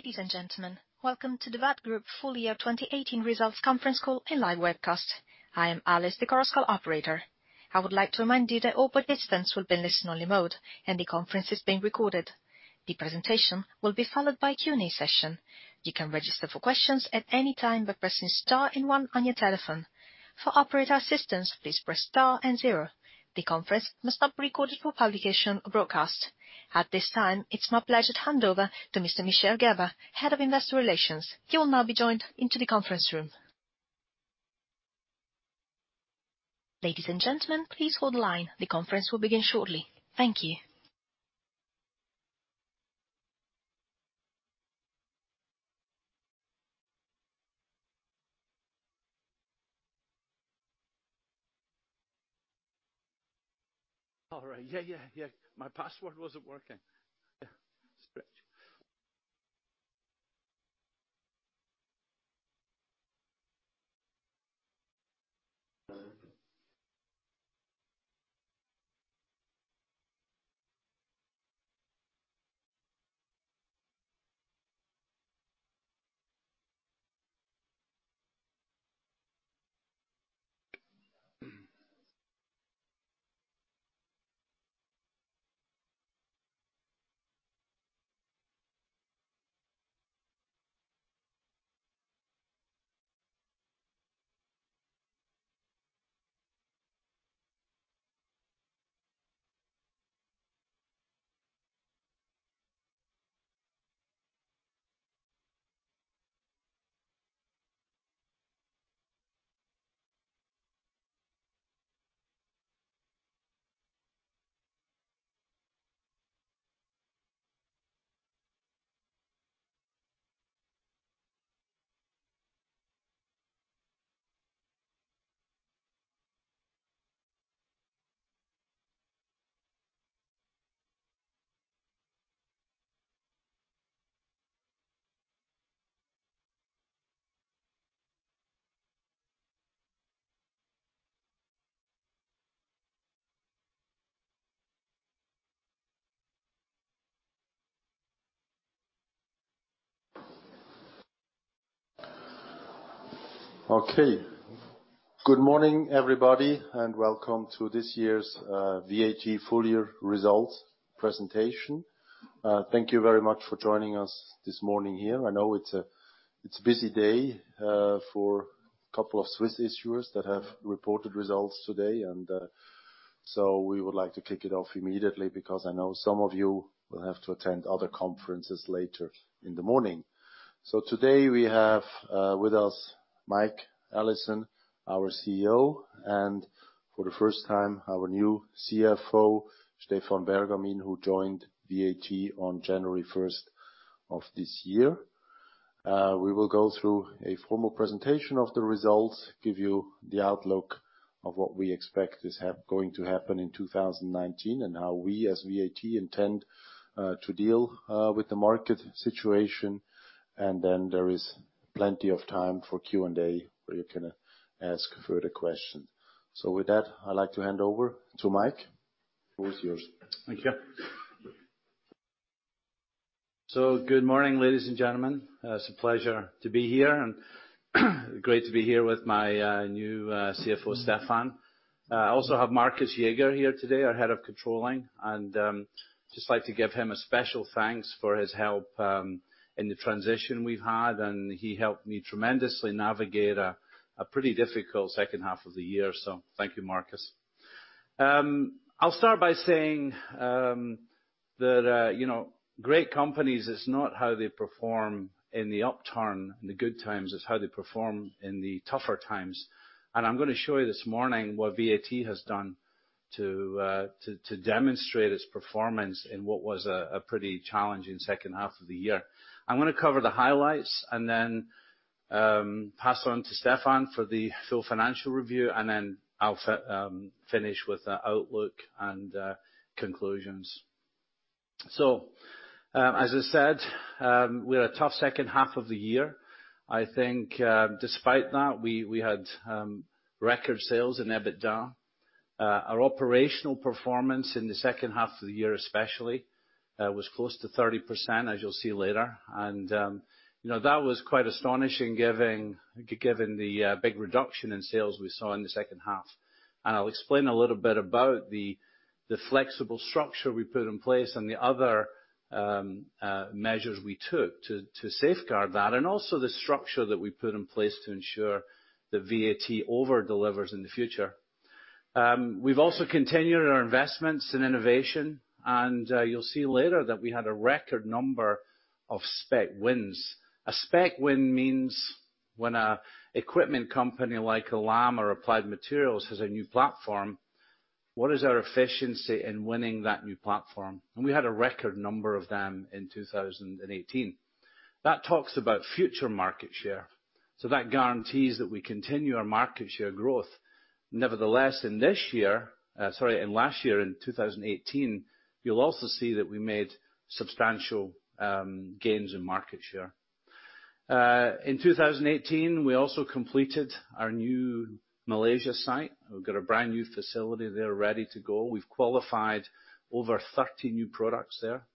Ladies and gentlemen, welcome to the VAT Group Full Year 2018 Results Conference Call and live webcast. I am Alice, the conference call operator. I would like to remind you that all participants will be in listen-only mode, and the conference is being recorded. The presentation will be followed by a Q&A session. You can register for questions at any time by pressing star and one on your telephone. For operator assistance, please press star and zero. The conference must not be recorded for publication or broadcast. At this time, it's my pleasure to hand over to Mr. Michel Gerber, Head of Investor Relations. He will now be joined into the conference room. Ladies and gentlemen, please hold the line. The conference will begin shortly. Thank you. All right. Yeah. My password wasn't working. Scratch. Okay. Good morning, everybody, and welcome to this year's VAT Full Year results presentation. Thank you very much for joining us this morning here. I know it's a busy day for a couple of Swiss issuers that have reported results today. We would like to kick it off immediately because I know some of you will have to attend other conferences later in the morning. Today we have with us Mike Allison, our CEO, and for the first time, our new CFO, Stefan Bergamin, who joined VAT on January 1st of this year. We will go through a formal presentation of the results, give you the outlook of what we expect is going to happen in 2019, and how we, as VAT, intend to deal with the market situation. There is plenty of time for Q&A, where you can ask further questions. With that, I'd like to hand over to Mike. The floor is yours. Thank you. Good morning, ladies and gentlemen. It's a pleasure to be here, great to be here with my new CFO, Stefan. I also have Marcus Jaeger here today, our Head of Controlling, just like to give him a special thanks for his help in the transition we've had. He helped me tremendously navigate a pretty difficult second half of the year. Thank you, Marcus. I'll start by saying that great companies, it's not how they perform in the upturn and the good times, it's how they perform in the tougher times. I'm going to show you this morning what VAT has done to demonstrate its performance in what was a pretty challenging second half of the year. I'm going to cover the highlights, pass on to Stefan for the full financial review, I'll finish with the outlook and conclusions. As I said, we had a tough second half of the year. I think despite that, we had record sales in EBITDA. Our operational performance in the second half of the year especially was close to 30%, as you'll see later. That was quite astonishing given the big reduction in sales we saw in the second half. I'll explain a little bit about the flexible structure we put in place and the other measures we took to safeguard that, also the structure that we put in place to ensure that VAT over-delivers in the future. We've also continued our investments in innovation, you'll see later that we had a record number of spec wins. A spec win means when an equipment company like Lam or Applied Materials has a new platform, what is our efficiency in winning that new platform? We had a record number of them in 2018. That talks about future market share. That guarantees that we continue our market share growth. Nevertheless, in last year, in 2018, you'll also see that we made substantial gains in market share. In 2018, we also completed our new Malaysia site. We've got a brand new facility there ready to go. We've qualified over 30 new products there.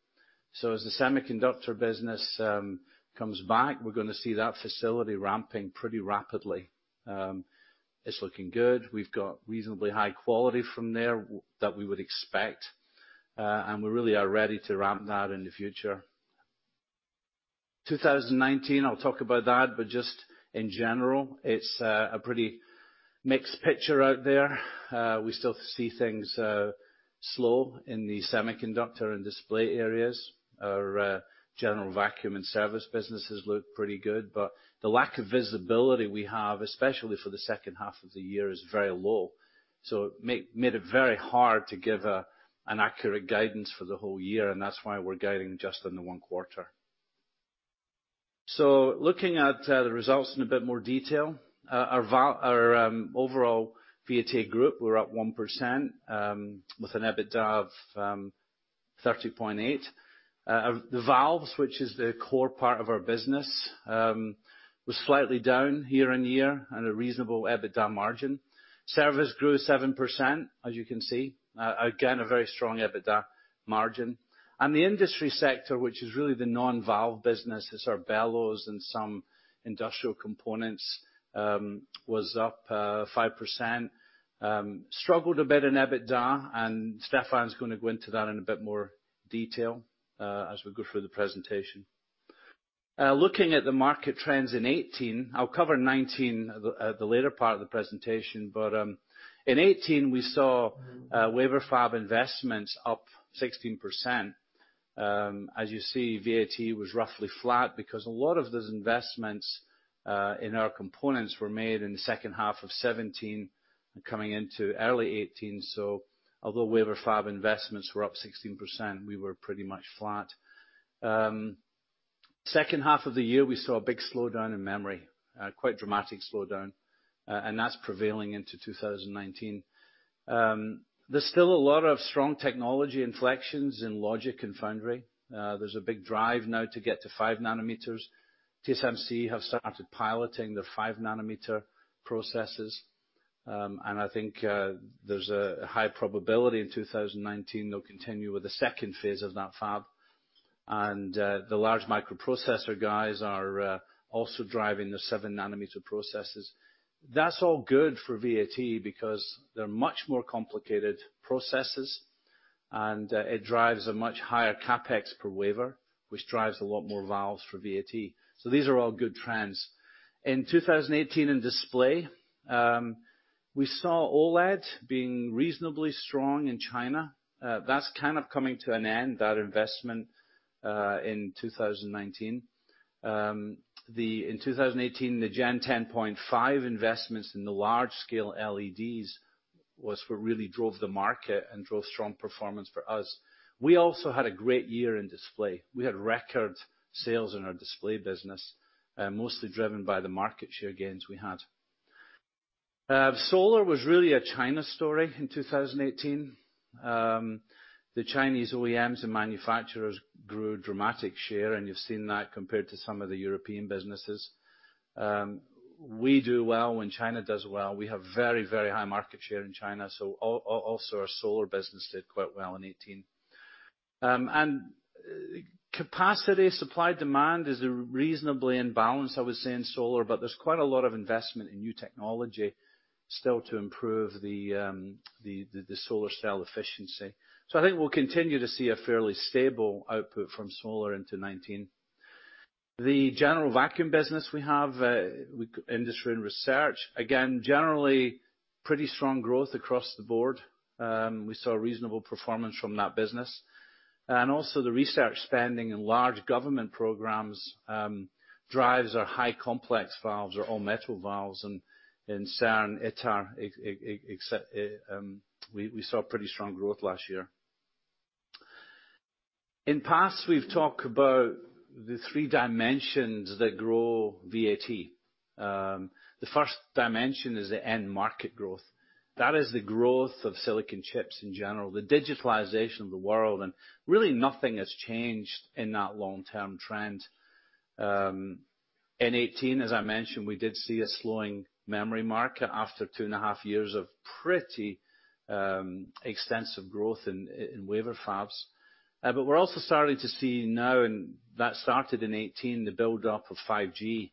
As the semiconductor business comes back, we're going to see that facility ramping pretty rapidly. It's looking good. We've got reasonably high quality from there that we would expect, and we really are ready to ramp that in the future. 2019, I'll talk about that, just in general, it's a pretty mixed picture out there. We still see things slow in the semiconductor and display areas. Our general vacuum and service businesses look pretty good. The lack of visibility we have, especially for the second half of the year, is very low. It made it very hard to give an accurate guidance for the whole year, that's why we're guiding just on the one quarter. Looking at the results in a bit more detail, our overall VAT Group, we're up 1%, with an EBITDA of 30.8. The valves, which is the core part of our business, was slightly down year-on-year on a reasonable EBITDA margin. Service grew 7%, as you can see. Again, a very strong EBITDA margin. The industry sector, which is really the non-valve business, it's our bellows and some industrial components, was up 5%. Struggled a bit in EBITDA, Stefan is going to go into that in a bit more detail as we go through the presentation. Looking at the market trends in 2018, I'll cover 2019 at the later part of the presentation, but in 2018, we saw wafer fab investments up 16%. As you see, VAT was roughly flat because a lot of those investments in our components were made in the second half of 2017 and coming into early 2018. Although wafer fab investments were up 16%, we were pretty much flat. Second half of the year, we saw a big slowdown in memory, quite dramatic slowdown, and that's prevailing into 2019. There's still a lot of strong technology inflections in logic and foundry. There's a big drive now to get to 5 nanometers. TSMC have started piloting the 5-nanometer processes, and I think there's a high probability in 2019 they'll continue with the second phase of that fab. The large microprocessor guys are also driving the 7-nanometer processes. That's all good for VAT because they're much more complicated processes, and it drives a much higher CapEx per wafer, which drives a lot more valves for VAT. These are all good trends. In 2018, in display, we saw OLED being reasonably strong in China. That's kind of coming to an end, that investment, in 2019. In 2018, the Gen 10.5 investments in the large-scale LCDs was what really drove the market and drove strong performance for us. We also had a great year in display. We had record sales in our display business, mostly driven by the market share gains we had. Solar was really a China story in 2018. The Chinese OEMs and manufacturers grew dramatic share, and you've seen that compared to some of the European businesses. We do well when China does well. We have very high market share in China, also our solar business did quite well in 2018. Capacity supply-demand is reasonably in balance, I would say, in solar, but there's quite a lot of investment in new technology still to improve the solar cell efficiency. I think we'll continue to see a fairly stable output from solar into 2019. The general vacuum business we have, industry and research, again, generally pretty strong growth across the board. We saw reasonable performance from that business. Also the research spending in large government programs drives our high complex valves, our all-metal valves in CERN, ITER, et cetera. We saw pretty strong growth last year. In past, we've talked about the 3 dimensions that grow VAT. The first dimension is the end market growth. That is the growth of silicon chips in general, the digitalization of the world, and really nothing has changed in that long-term trend. In 2018, as I mentioned, we did see a slowing memory market after two and a half years of pretty extensive growth in wafer fabs. We're also starting to see now, and that started in 2018, the build-up of 5G,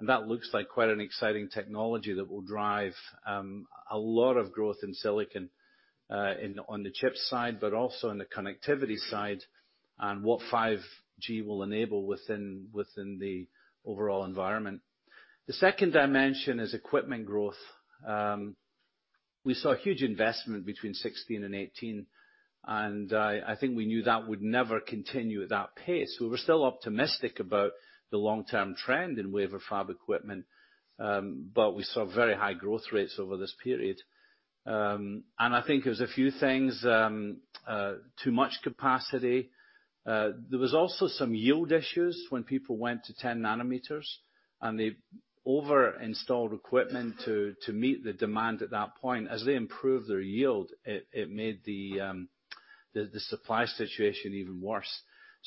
and that looks like quite an exciting technology that will drive a lot of growth in silicon on the chip side, but also on the connectivity side and what 5G will enable within the overall environment. The second dimension is equipment growth. We saw a huge investment between 2016 and 2018, and I think we knew that would never continue at that pace. We were still optimistic about the long-term trend in wafer fab equipment, but we saw very high growth rates over this period. I think it was a few things, too much capacity. There were also some yield issues when people went to 10 nanometers, and they over-installed equipment to meet the demand at that point. As they improved their yield, it made the supply situation even worse.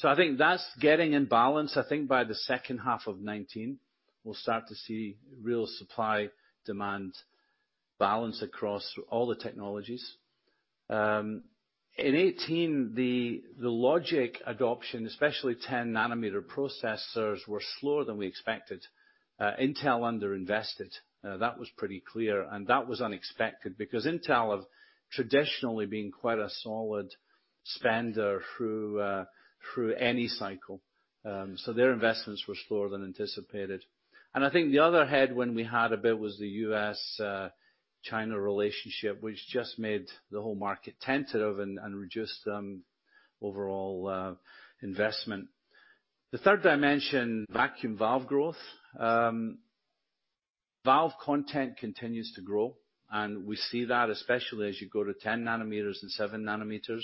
I think that's getting in balance. By the second half of 2019, we'll start to see real supply-demand balance across all the technologies. In 2018, the logic adoption, especially 10-nanometer processors, were slower than we expected. Intel under-invested. That was pretty clear, and that was unexpected, because Intel has traditionally been quite a solid spender through any cycle. Their investments were slower than anticipated. I think the other headwind we had a bit was the U.S.-China relationship, which just made the whole market tentative and reduced overall investment. The third dimension, vacuum valve growth. Valve content continues to grow. We see that especially as you go to 10 nanometers and seven nanometers.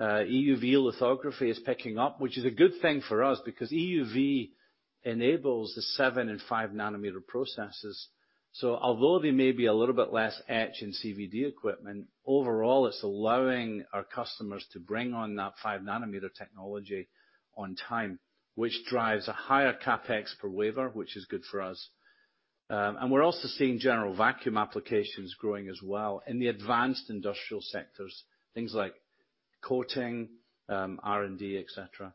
EUV lithography is picking up, which is a good thing for us, because EUV enables the seven and five nanometer processes. Although there may be a little bit less etch in CVD equipment, overall it's allowing our customers to bring on that five-nanometer technology on time, which drives a higher CapEx per wafer, which is good for us. We're also seeing general vacuum applications growing as well in the advanced industrial sectors, things like coating, R&D, et cetera.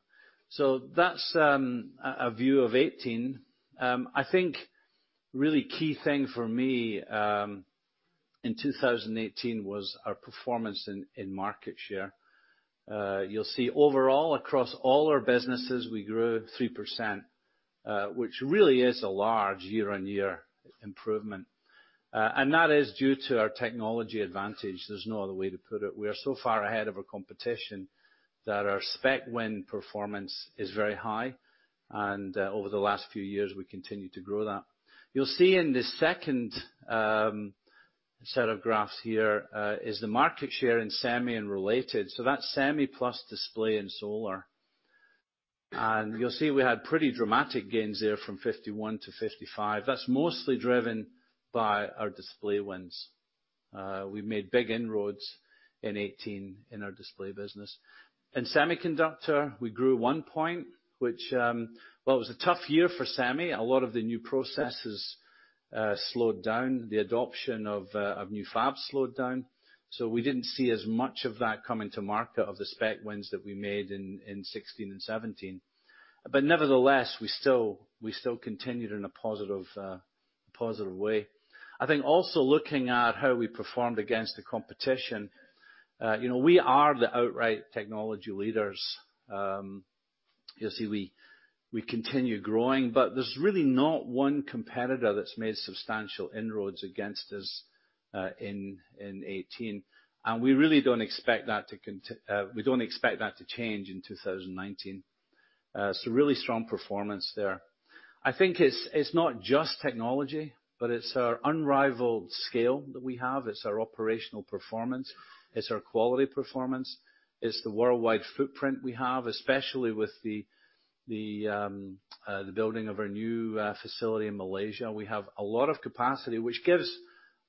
That's a view of 2018. Really key thing for me, in 2018 was our performance in market share. You'll see overall, across all our businesses, we grew 3%, which really is a large year-on-year improvement. That is due to our technology advantage. There's no other way to put it. We are so far ahead of our competition that our spec win performance is very high. Over the last few years, we continue to grow that. You'll see in the second set of graphs here, is the market share in semi and related. That's semi plus display and solar. You'll see we had pretty dramatic gains there from 51% to 55%. That's mostly driven by our display wins. We made big inroads in 2018 in our display business. In semiconductor, we grew 1 point, which, well, it was a tough year for semi. A lot of the new processes slowed down. The adoption of new fabs slowed down. We didn't see as much of that coming to market, of the spec wins that we made in 2016 and 2017. Nevertheless, we still continued in a positive way. Also looking at how we performed against the competition. We are the outright technology leaders. You'll see we continue growing, but there's really not one competitor that's made substantial inroads against us in 2018. We really don't expect that to change in 2019. Really strong performance there. It's not just technology, but it's our unrivaled scale that we have. It's our operational performance, it's our quality performance. It's the worldwide footprint we have, especially with the building of our new facility in Malaysia. We have a lot of capacity, which gives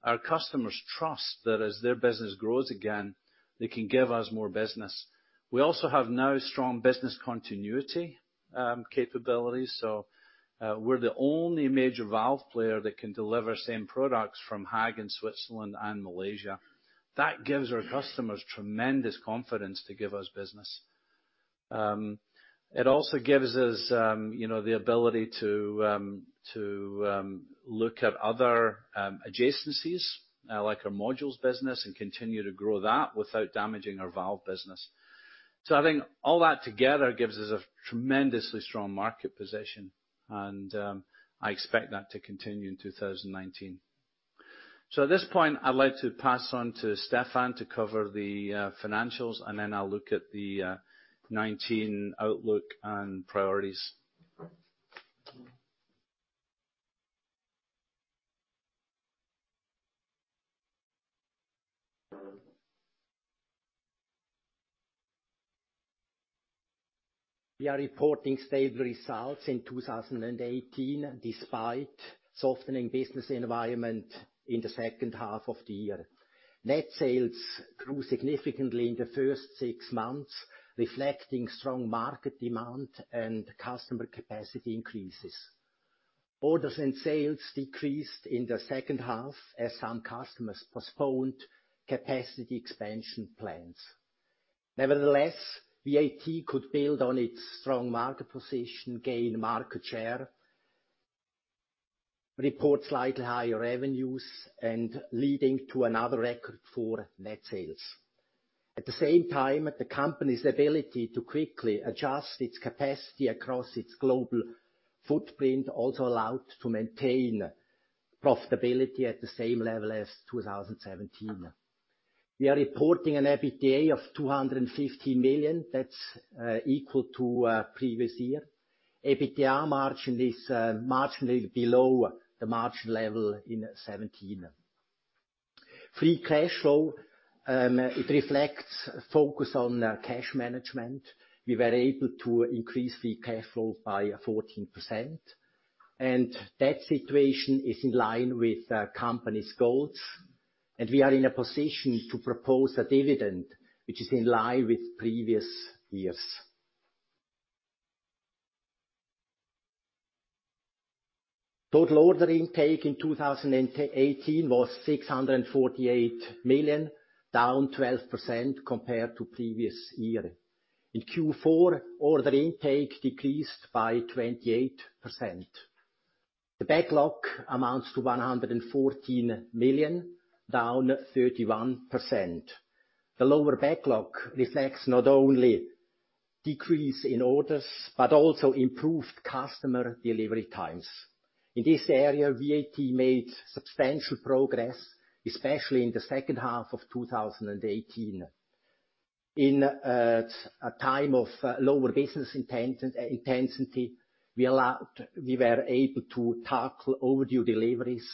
our customers trust that as their business grows again, they can give us more business. We also have now strong business continuity capabilities. We're the only major valve player that can deliver same products from Haag, Switzerland and Malaysia. That gives our customers tremendous confidence to give us business. It also gives us the ability to look at other adjacencies, like our modules business, and continue to grow that without damaging our valve business. I think all that together gives us a tremendously strong market position, and I expect that to continue in 2019. At this point, I'd like to pass on to Stefan to cover the financials, and then I'll look at the 2019 outlook and priorities. We are reporting stable results in 2018, despite softening business environment in the second half of the year. Net sales grew significantly in the first six months, reflecting strong market demand and customer capacity increases. Orders and sales decreased in the second half, as some customers postponed capacity expansion plans. Nevertheless, VAT could build on its strong market position, gain market share, report slightly higher revenues, leading to another record for net sales. At the same time, the company's ability to quickly adjust its capacity across its global footprint also allowed to maintain profitability at the same level as 2017. We are reporting an EBITDA of 250 million. That is equal to previous year. EBITDA margin is marginally below the margin level in 2017. Free cash flow reflects focus on cash management. We were able to increase free cash flow by 14%. That situation is in line with the company's goals, and we are in a position to propose a dividend which is in line with previous years. Total order intake in 2018 was 648 million, down 12% compared to previous year. In Q4, order intake decreased by 28%. The backlog amounts to 114 million, down 31%. The lower backlog reflects not only decrease in orders, but also improved customer delivery times. In this area, VAT made substantial progress, especially in the second half of 2018. In a time of lower business intensity, we were able to tackle overdue deliveries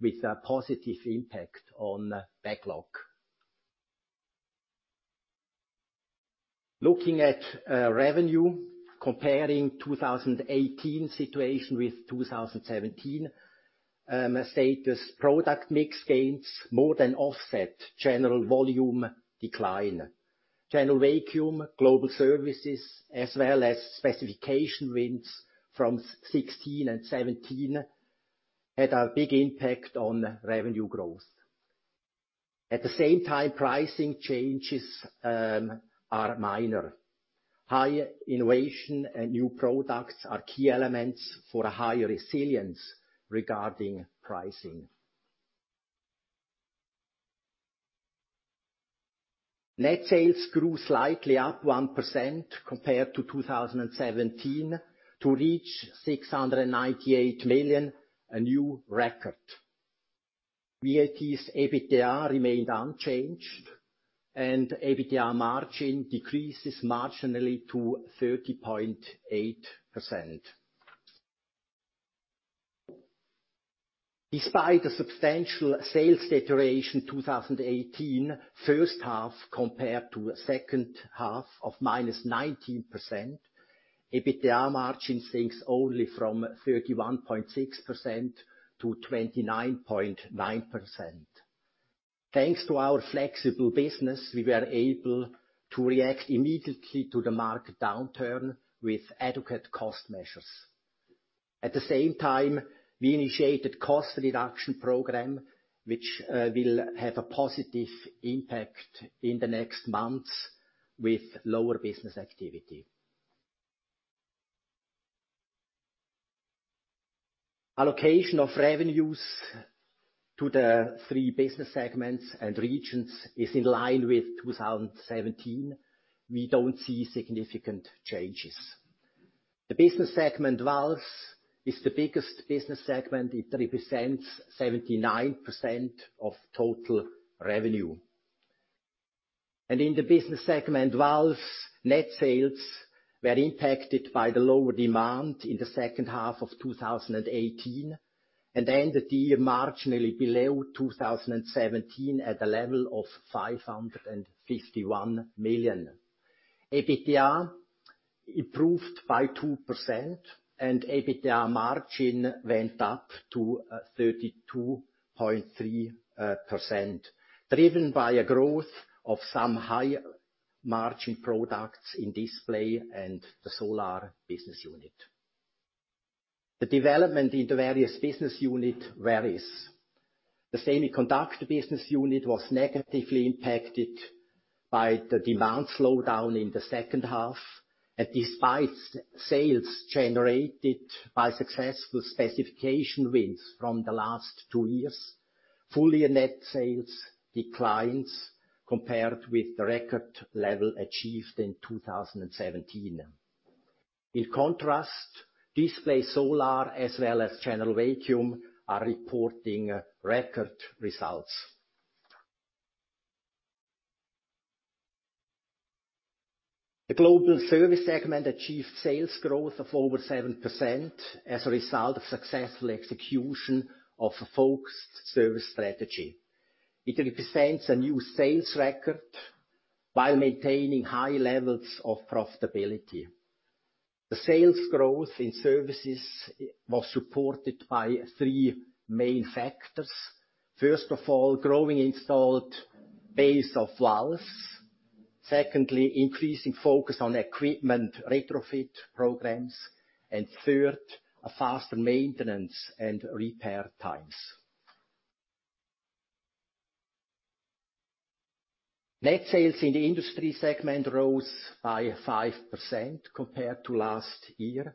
with a positive impact on backlog. Looking at revenue, comparing 2018 situation with 2017 status, product mix gains more than offset general volume decline. General vacuum, global services, as well as specification wins from 2016 and 2017 had a big impact on revenue growth. At the same time, pricing changes are minor. High innovation and new products are key elements for a higher resilience regarding pricing. Net sales grew slightly up 1% compared to 2017 to reach 698 million, a new record. VAT's EBITDA remained unchanged, and EBITDA margin decreases marginally to 30.8%. Despite a substantial sales deterioration 2018 first half compared to second half of -19%, EBITDA margin sinks only from 31.6%-29.9%. Thanks to our flexible business, we were able to react immediately to the market downturn with adequate cost measures. At the same time, we initiated cost reduction program, which will have a positive impact in the next months with lower business activity. Allocation of revenues to the three business segments and regions is in line with 2017. We don't see significant changes. The business segment Valves is the biggest business segment. It represents 79% of total revenue. In the business segment Valves, net sales were impacted by the lower demand in the second half of 2018, and ended the year marginally below 2017 at a level of 551 million. EBITDA improved by 2% and EBITDA margin went up to 32.3%, driven by a growth of some high-margin products in Display and the Solar business unit. The development in the various business unit varies. The Semiconductor business unit was negatively impacted by the demand slowdown in the second half, and despite sales generated by successful specification wins from the last two years, full-year net sales declines compared with the record level achieved in 2017. In contrast, Display and Solar as well as General Vacuum are reporting record results. The Global Service segment achieved sales growth of over 7% as a result of successful execution of a focused service strategy. It represents a new sales record while maintaining high levels of profitability. The sales growth in services was supported by three main factors. First of all, growing installed base of valves. Secondly, increasing focus on equipment retrofit programs. Third, a faster maintenance and repair times. Net sales in the Industry segment rose by 5% compared to last year.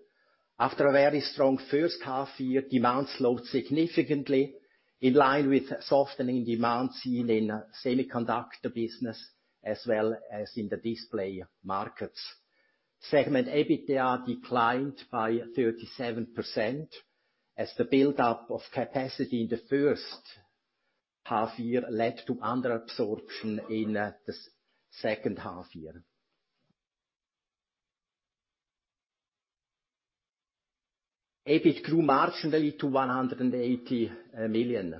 After a very strong first half year, demand slowed significantly, in line with softening demand seen in semiconductor business as well as in the display markets. Segment EBITDA declined by 37% as the buildup of capacity in the first half year led to under absorption in the second half year. EBIT grew marginally to 180 million.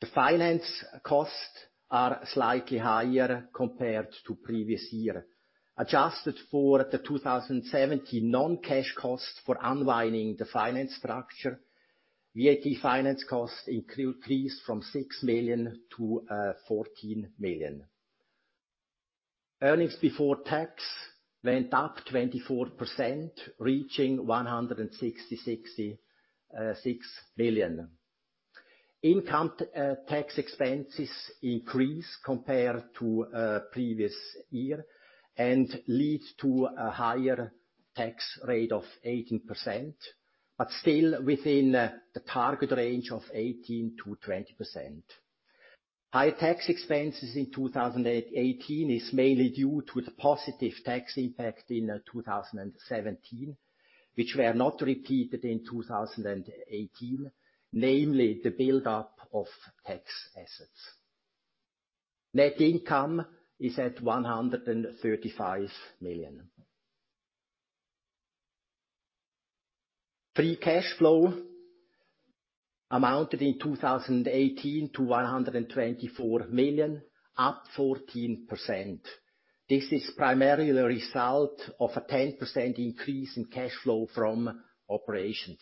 The finance costs are slightly higher compared to previous year. Adjusted for the 2017 non-cash costs for unwinding the finance structure, VAT finance costs increased from 6 million to 14 million. Earnings before tax went up 24%, reaching 166 million. Income tax expenses increased compared to previous year, leads to a higher tax rate of 18%, but still within the target range of 18%-20%. Higher tax expenses in 2018 is mainly due to the positive tax impact in 2017, which were not repeated in 2018, namely the buildup of tax assets. Net income is at 135 million. Free cash flow amounted in 2018 to 124 million, up 14%. This is primarily the result of a 10% increase in cash flow from operations.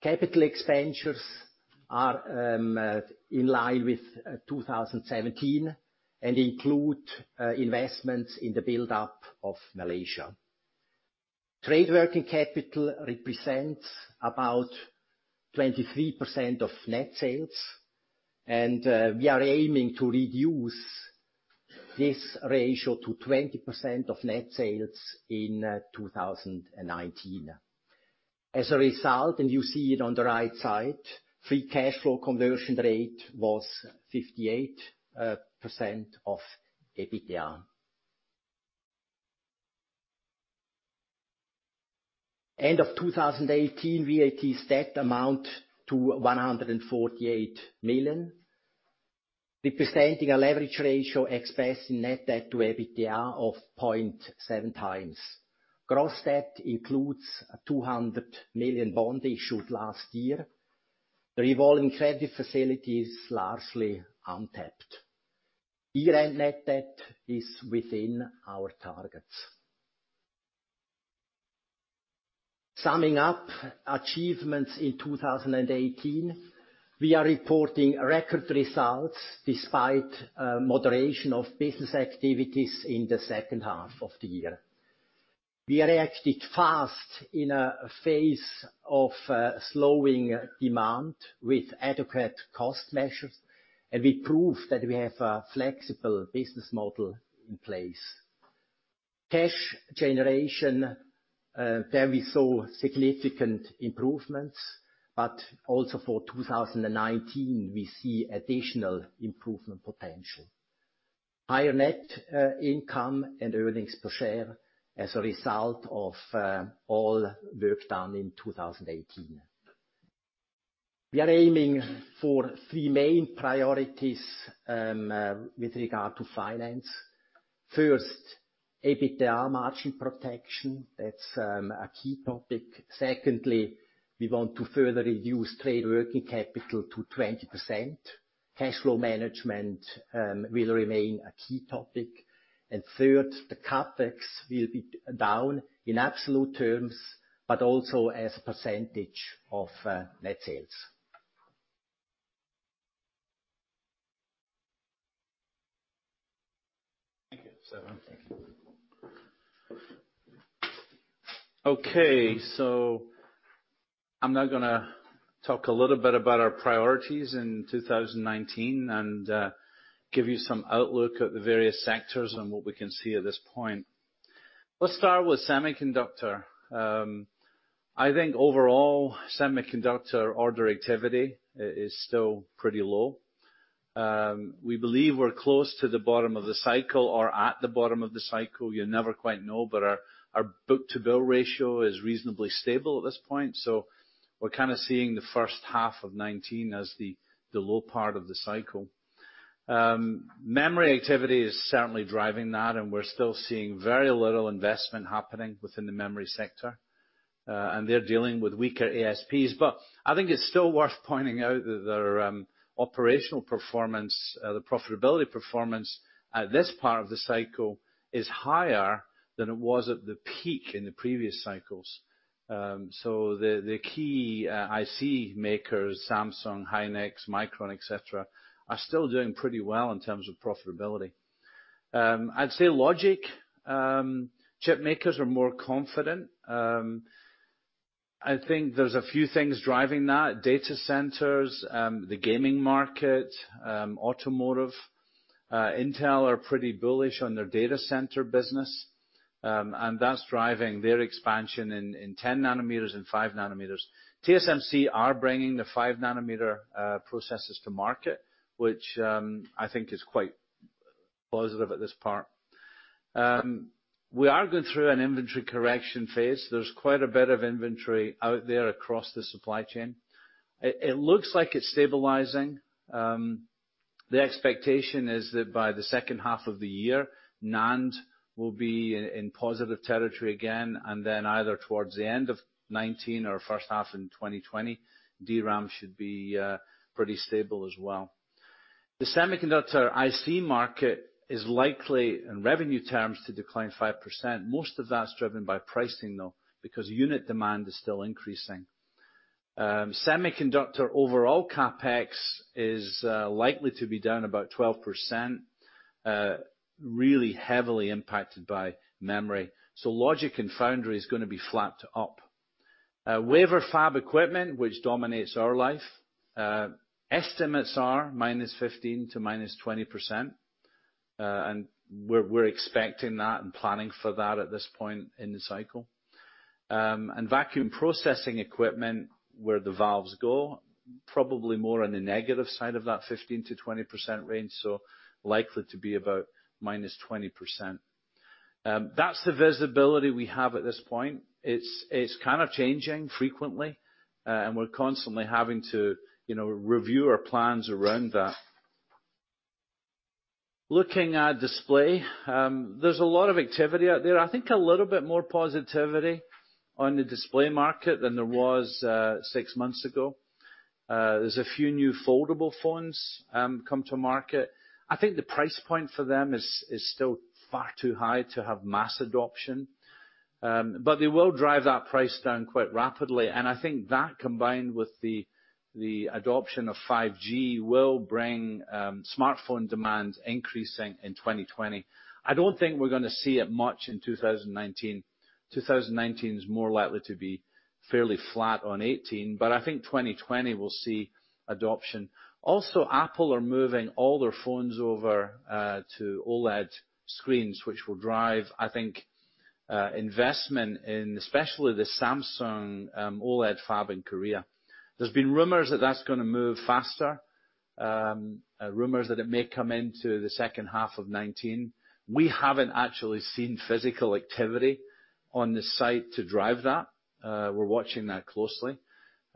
Capital expenditures are in line with 2017 and include investments in the buildup of Malaysia. Trade working capital represents about 23% of net sales. We are aiming to reduce this ratio to 20% of net sales in 2019. As a result, you see it on the right side, free cash flow conversion rate was 58% of EBITDA. End of 2018, VAT's debt amount to 148 million, representing a leverage ratio expressed in net debt to EBITDA of 0.7 times. Gross debt includes a 200 million bond issued last year. The revolving credit facility is largely untapped. Year-end net debt is within our targets. Summing up achievements in 2018, we are reporting record results despite moderation of business activities in the second half of the year. We reacted fast in a phase of slowing demand with adequate cost measures. We proved that we have a flexible business model in place. Cash generation, there we saw significant improvements. Also for 2019, we see additional improvement potential. Higher net income and earnings per share as a result of all work done in 2018. We are aiming for three main priorities with regard to finance. First, EBITDA margin protection. That's a key topic. Secondly, we want to further reduce trade working capital to 20%. Cash flow management will remain a key topic. Third, the CapEx will be down in absolute terms, but also as a percentage of net sales. Thank you, Stefan. Thank you. I'm now going to talk a little bit about our priorities in 2019 and give you some outlook at the various sectors and what we can see at this point. Let's start with semiconductor. I think overall, semiconductor order activity is still pretty low. We believe we're close to the bottom of the cycle or at the bottom of the cycle. You never quite know, but our book-to-bill ratio is reasonably stable at this point, so we're kind of seeing the first half of 2019 as the low part of the cycle. Memory activity is certainly driving that, and we're still seeing very little investment happening within the memory sector. They're dealing with weaker ASPs. I think it's still worth pointing out that their operational performance, the profitability performance at this part of the cycle is higher than it was at the peak in the previous cycles. The key IC makers, Samsung, SK hynix, Micron, et cetera, are still doing pretty well in terms of profitability. I'd say logic chip makers are more confident. I think there's a few things driving that. Data centers, the gaming market, automotive. Intel are pretty bullish on their data center business, and that's driving their expansion in 10 nanometers and five nanometers. TSMC are bringing the five-nanometer processes to market, which I think is quite positive at this part. We are going through an inventory correction phase. There's quite a bit of inventory out there across the supply chain. It looks like it's stabilizing. The expectation is that by the second half of the year, NAND will be in positive territory again, either towards the end of 2019 or first half in 2020, DRAM should be pretty stable as well. The semiconductor IC market is likely, in revenue terms, to decline 5%. Most of that's driven by pricing, though, because unit demand is still increasing. Semiconductor overall CapEx is likely to be down about 12%, really heavily impacted by memory. Logic and foundry is going to be flat to up. Wafer fab equipment, which dominates our life, estimates are minus 15%-minus 20%, and we're expecting that and planning for that at this point in the cycle. Vacuum processing equipment, where the valves go, probably more on the negative side of that 15%-20% range, so likely to be about minus 20%. That's the visibility we have at this point. It's kind of changing frequently, and we're constantly having to review our plans around that. Looking at display, there's a lot of activity out there. I think a little bit more positivity on the display market than there was six months ago. There's a few new foldable phones come to market. I think the price point for them is still far too high to have mass adoption, but they will drive that price down quite rapidly. I think that, combined with the adoption of 5G, will bring smartphone demand increasing in 2020. I don't think we're going to see it much in 2019. 2019 is more likely to be fairly flat on 2018, but I think 2020 will see adoption. Apple are moving all their phones over to OLED screens, which will drive, I think, investment in especially the Samsung OLED fab in Korea. There's been rumors that that's going to move faster, rumors that it may come into the second half of 2019. We haven't actually seen physical activity on the site to drive that. We're watching that closely.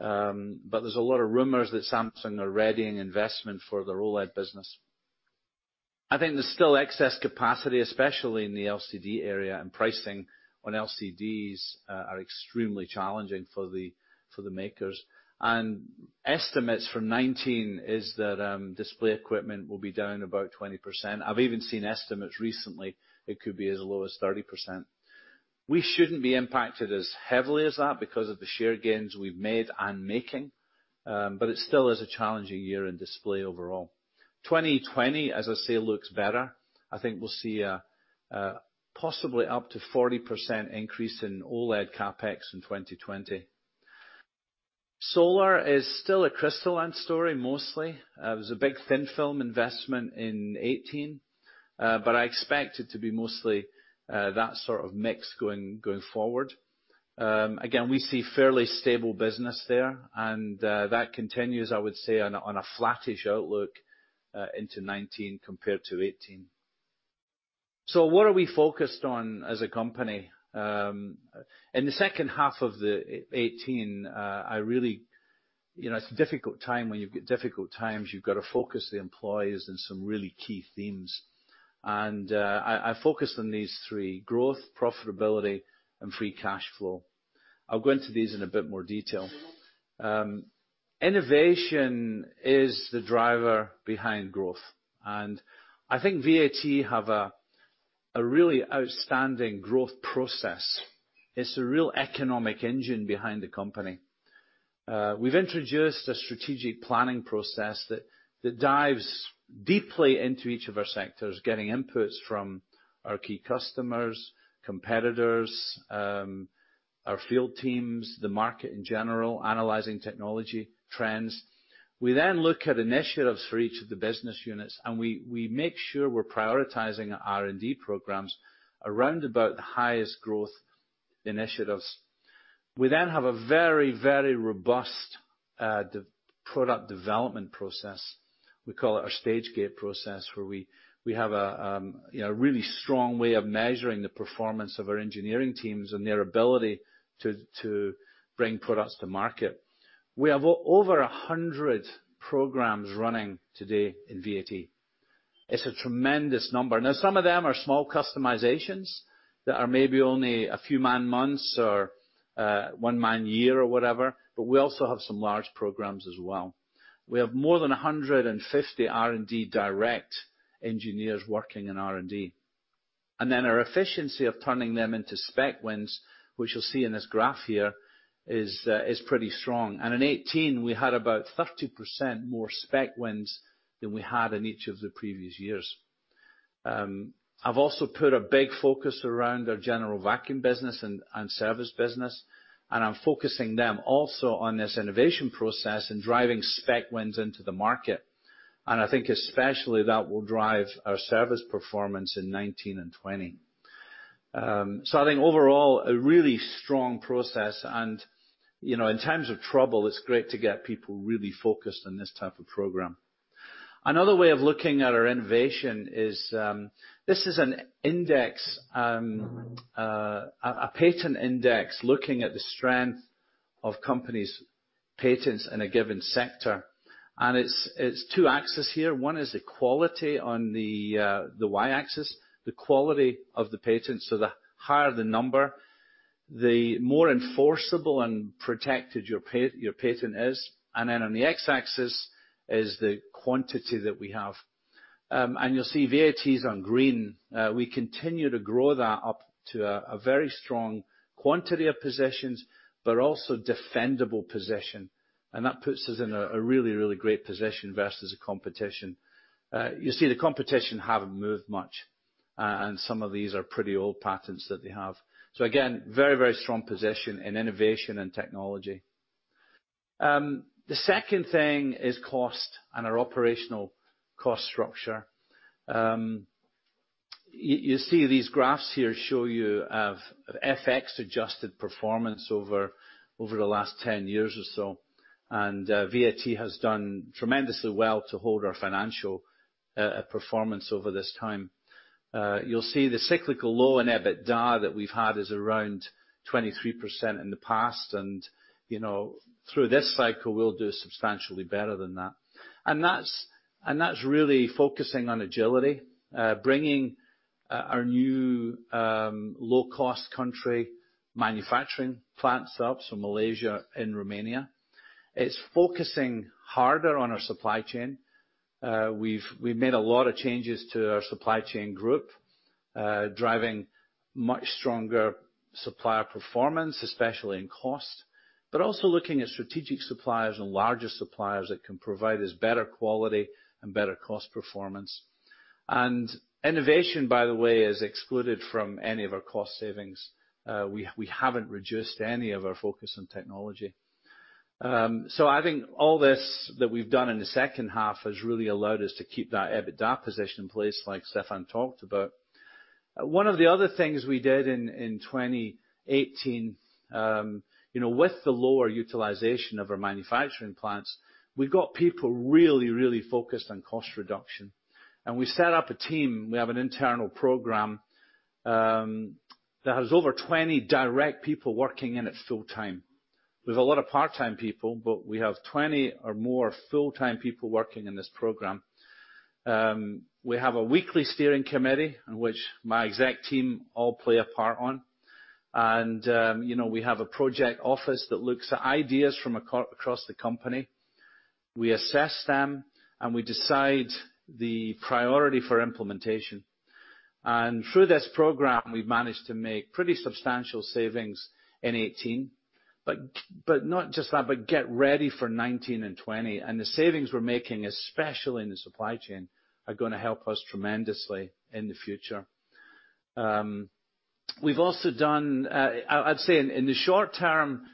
There's a lot of rumors that Samsung are readying investment for their OLED business. I think there's still excess capacity, especially in the LCD area, and pricing on LCDs are extremely challenging for the makers. Estimates from 2019 is that display equipment will be down about 20%. I've even seen estimates recently it could be as low as 30%. We shouldn't be impacted as heavily as that because of the share gains we've made and making, but it still is a challenging year in display overall. 2020, as I say, looks better. I think we'll see possibly up to 40% increase in OLED CapEx in 2020. Solar is still a crystalline story, mostly. There was a big thin-film investment in 2018, but I expect it to be mostly that sort of mix going forward. Again, we see fairly stable business there, and that continues, I would say, on a flattish outlook into 2019 compared to 2018. What are we focused on as a company? In the second half of the 2018, it's a difficult time. When you've got difficult times, you've got to focus the employees on some really key themes. I focused on these three: growth, profitability, and free cash flow. I'll go into these in a bit more detail. Innovation is the driver behind growth. I think VAT have a really outstanding growth process. It's a real economic engine behind the company. We've introduced a strategic planning process that dives deeply into each of our sectors, getting inputs from our key customers, competitors, our field teams, the market in general, analyzing technology trends. We look at initiatives for each of the business units, and we make sure we're prioritizing our R&D programs around about the highest growth initiatives. We have a very, very robust product development process. We call it our Stage-Gate process, where we have a really strong way of measuring the performance of our engineering teams and their ability to bring products to market. We have over 100 programs running today in VAT. It's a tremendous number. Some of them are small customizations that are maybe only a few man months or one man year or whatever, but we also have some large programs as well. We have more than 150 R&D direct engineers working in R&D. Our efficiency of turning them into spec wins, which you'll see in this graph here, is pretty strong. In 2018, we had about 30% more spec wins than we had in each of the previous years. I've also put a big focus around our general vacuum business and service business, and I'm focusing them also on this innovation process and driving spec wins into the market. I think especially that will drive our service performance in 2019 and 2020. I think overall, a really strong process and, in times of trouble, it's great to get people really focused on this type of program. Another way of looking at our innovation is, this is an index, a patent index looking at the strength of companies' patents in a given sector. It's two axes here. One is the quality on the y-axis, the quality of the patents. The higher the number, the more enforceable and protected your patent is. On the x-axis is the quantity that we have. You'll see VAT's on green. We continue to grow that up to a very strong quantity of possessions, but also defendable possession. That puts us in a really, really great position versus the competition. You see the competition hasn't moved much. Some of these are pretty old patents that they have. Again, very, very strong position in innovation and technology. The second thing is cost and our operational cost structure. You see these graphs here show you of FX adjusted performance over the last 10 years or so. VAT has done tremendously well to hold our financial performance over this time. You'll see the cyclical low in EBITDA that we've had is around 23% in the past. Through this cycle, we'll do substantially better than that. That's really focusing on agility. Bringing our new low-cost country manufacturing plants up, so Malaysia and Romania. It's focusing harder on our supply chain. We've made a lot of changes to our supply chain group, driving much stronger supplier performance, especially in cost, but also looking at strategic suppliers and larger suppliers that can provide us better quality and better cost performance. Innovation, by the way, is excluded from any of our cost savings. We haven't reduced any of our focus on technology. I think all this that we've done in the second half has really allowed us to keep that EBITDA position in place like Stefan talked about. One of the other things we did in 2018, with the lower utilization of our manufacturing plants, we got people really, really focused on cost reduction. We set up a team. We have an internal program that has over 20 direct people working in it full-time. With a lot of part-time people, but we have 20 or more full-time people working in this program. We have a weekly steering committee in which my exec team all play a part on. We have a project office that looks at ideas from across the company. We assess them, and we decide the priority for implementation. Through this program, we've managed to make pretty substantial savings in 2018. Not just that, but get ready for 2019 and 2020. The savings we're making, especially in the supply chain, are gonna help us tremendously in the future. We've also done I'd say in the short term,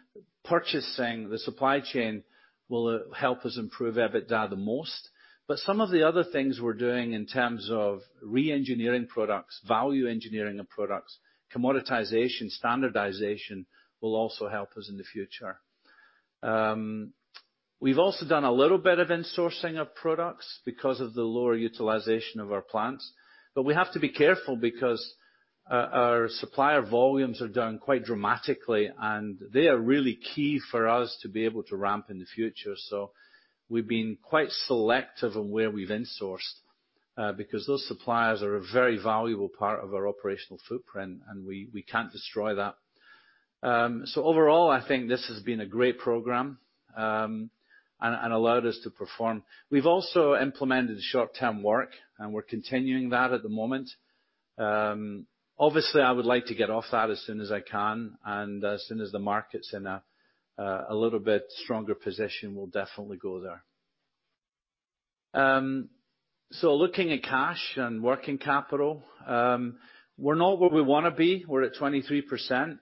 purchasing the supply chain will help us improve EBITDA the most. Some of the other things we're doing in terms of re-engineering products, value engineering of products, commoditization, standardization will also help us in the future. We've also done a little bit of insourcing of products because of the lower utilization of our plants. We have to be careful because our supplier volumes are down quite dramatically, and they are really key for us to be able to ramp in the future. We've been quite selective on where we've insourced, because those suppliers are a very valuable part of our operational footprint, and we can't destroy that. Overall, I think this has been a great program and allowed us to perform. We've also implemented short-term work, and we're continuing that at the moment. Obviously, I would like to get off that as soon as I can. As soon as the market's in a little bit stronger position, we'll definitely go there. Looking at cash and working capital, we're not where we want to be. We're at 23%.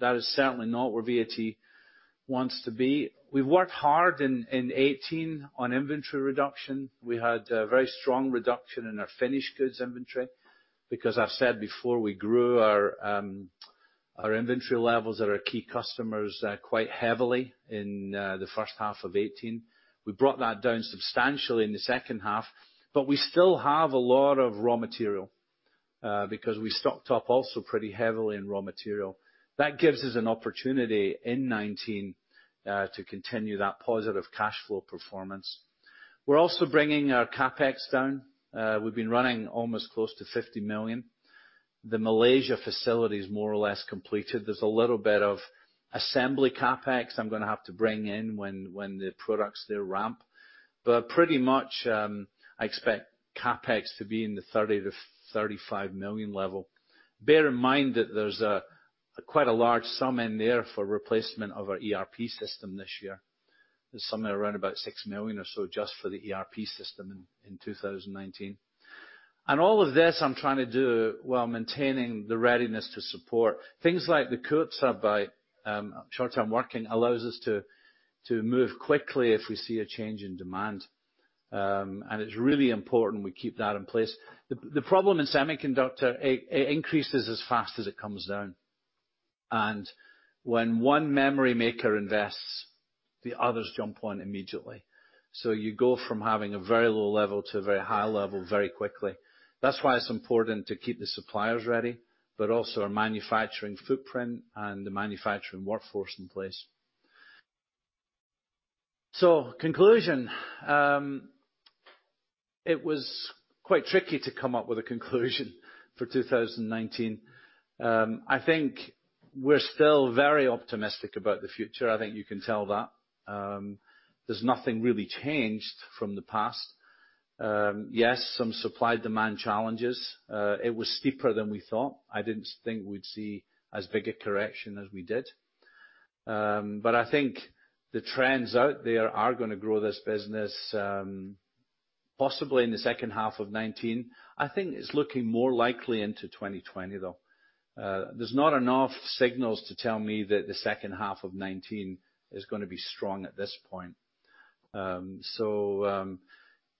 That is certainly not where VAT wants to be. We've worked hard in 2018 on inventory reduction. We had a very strong reduction in our finished goods inventory because I've said before we grew our inventory levels at our key customers quite heavily in the first half of 2018. We brought that down substantially in the second half, but we still have a lot of raw material, because we stocked up also pretty heavily in raw material. That gives us an opportunity in 2019 to continue that positive cash flow performance. We're also bringing our CapEx down. We've been running almost close to 50 million. The Malaysia facility is more or less completed. There's a little bit of assembly CapEx I'm going to have to bring in when the products there ramp. Pretty much, I expect CapEx to be in the 30 million-35 million level. Bear in mind that there's quite a large sum in there for replacement of our ERP system this year. There's somewhere around about 6 million or so just for the ERP system in 2019. All of this I'm trying to do while maintaining the readiness to support. Things like the Kurzarbeit, short-term working, allows us to move quickly if we see a change in demand. It's really important we keep that in place. The problem in semiconductor, it increases as fast as it comes down. When one memory maker invests, the others jump on immediately. You go from having a very low level to a very high level very quickly. That's why it's important to keep the suppliers ready, but also our manufacturing footprint and the manufacturing workforce in place. Conclusion, it was quite tricky to come up with a conclusion for 2019. I think we're still very optimistic about the future. I think you can tell that. There's nothing really changed from the past. Yes, some supply-demand challenges. It was steeper than we thought. I didn't think we'd see as big a correction as we did. I think the trends out there are going to grow this business, possibly in the second half of 2019. I think it's looking more likely into 2020, though. There's not enough signals to tell me that the second half of 2019 is going to be strong at this point.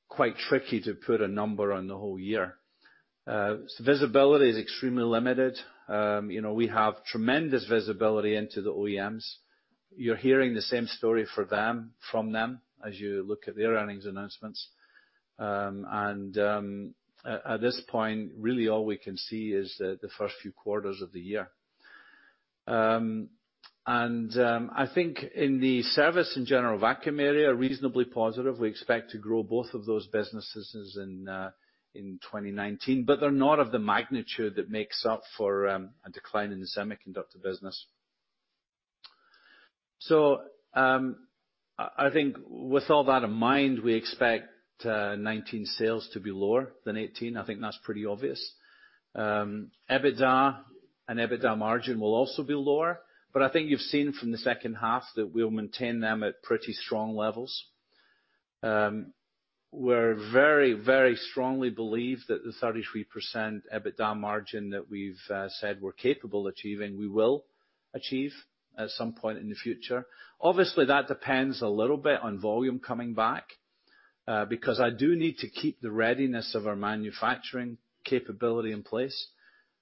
Quite tricky to put a number on the whole year. Visibility is extremely limited. We have tremendous visibility into the OEMs. You're hearing the same story from them as you look at their earnings announcements. At this point, really all we can see is the first few quarters of the year. I think in the service and general vacuum area, reasonably positive. We expect to grow both of those businesses in 2019. They're not of the magnitude that makes up for a decline in the semiconductor business. I think with all that in mind, we expect 2019 sales to be lower than 2018. I think that's pretty obvious. EBITDA and EBITDA margin will also be lower. I think you've seen from the second half that we'll maintain them at pretty strong levels. We very strongly believe that the 33% EBITDA margin that we've said we're capable achieving, we will achieve at some point in the future. Obviously, that depends a little bit on volume coming back, because I do need to keep the readiness of our manufacturing capability in place.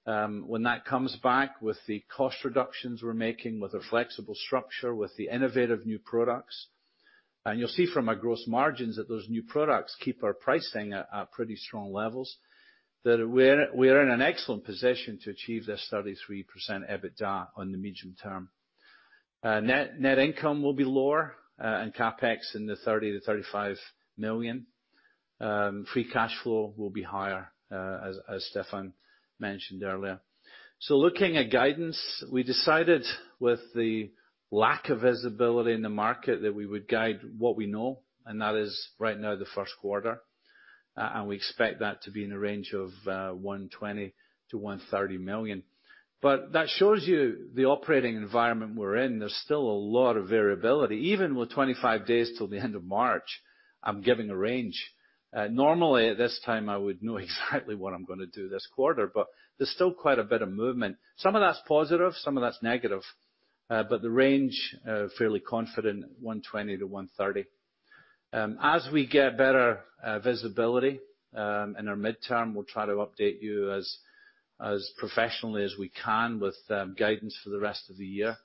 When that comes back with the cost reductions we're making with a flexible structure, with the innovative new products, you'll see from our gross margins that those new products keep our pricing at pretty strong levels. That we're in an excellent position to achieve this 33% EBITDA on the medium term. Net income will be lower, CapEx in the 30 million-35 million. Free cash flow will be higher, as Stefan mentioned earlier. Looking at guidance, we decided with the lack of visibility in the market that we would guide what we know, and that is right now the first quarter. We expect that to be in the range of 120 million-130 million. That shows you the operating environment we're in. There's still a lot of variability. Even with 25 days till the end of March, I'm giving a range. Normally at this time I would know exactly what I'm gonna do this quarter, there's still quite a bit of movement. Some of that's positive, some of that's negative. The range, fairly confident, 120-130. As we get better visibility in our midterm, we'll try to update you as professionally as we can with guidance for the rest of the year.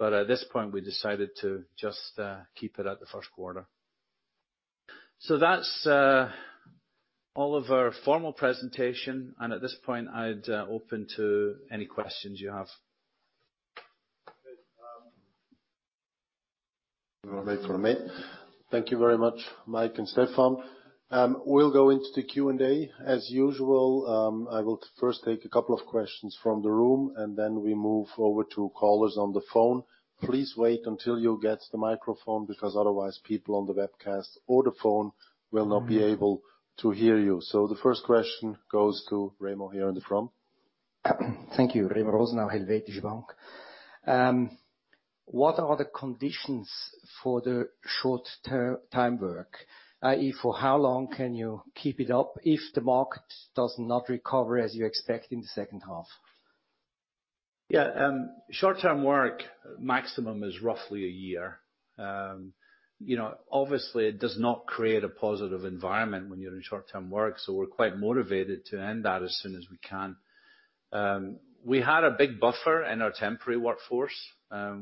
At this point, we decided to just keep it at the first quarter. That's all of our formal presentation, at this point I'd open to any questions you have. Okay. Thank you very much, Mike and Stefan. We'll go into the Q&A. As usual, I will first take a couple of questions from the room, and then we move over to callers on the phone. Please wait until you get the microphone, because otherwise people on the webcast or the phone will not be able to hear you. The first question goes to Remo here in the front. Thank you. Remo Rosenau, Helvetische Bank. What are the conditions for the short-time work? I.e., for how long can you keep it up if the market does not recover as you expect in the second half? Short-time work maximum is roughly a year. Obviously, it does not create a positive environment when you're in short-time work, we're quite motivated to end that as soon as we can. We had a big buffer in our temporary workforce.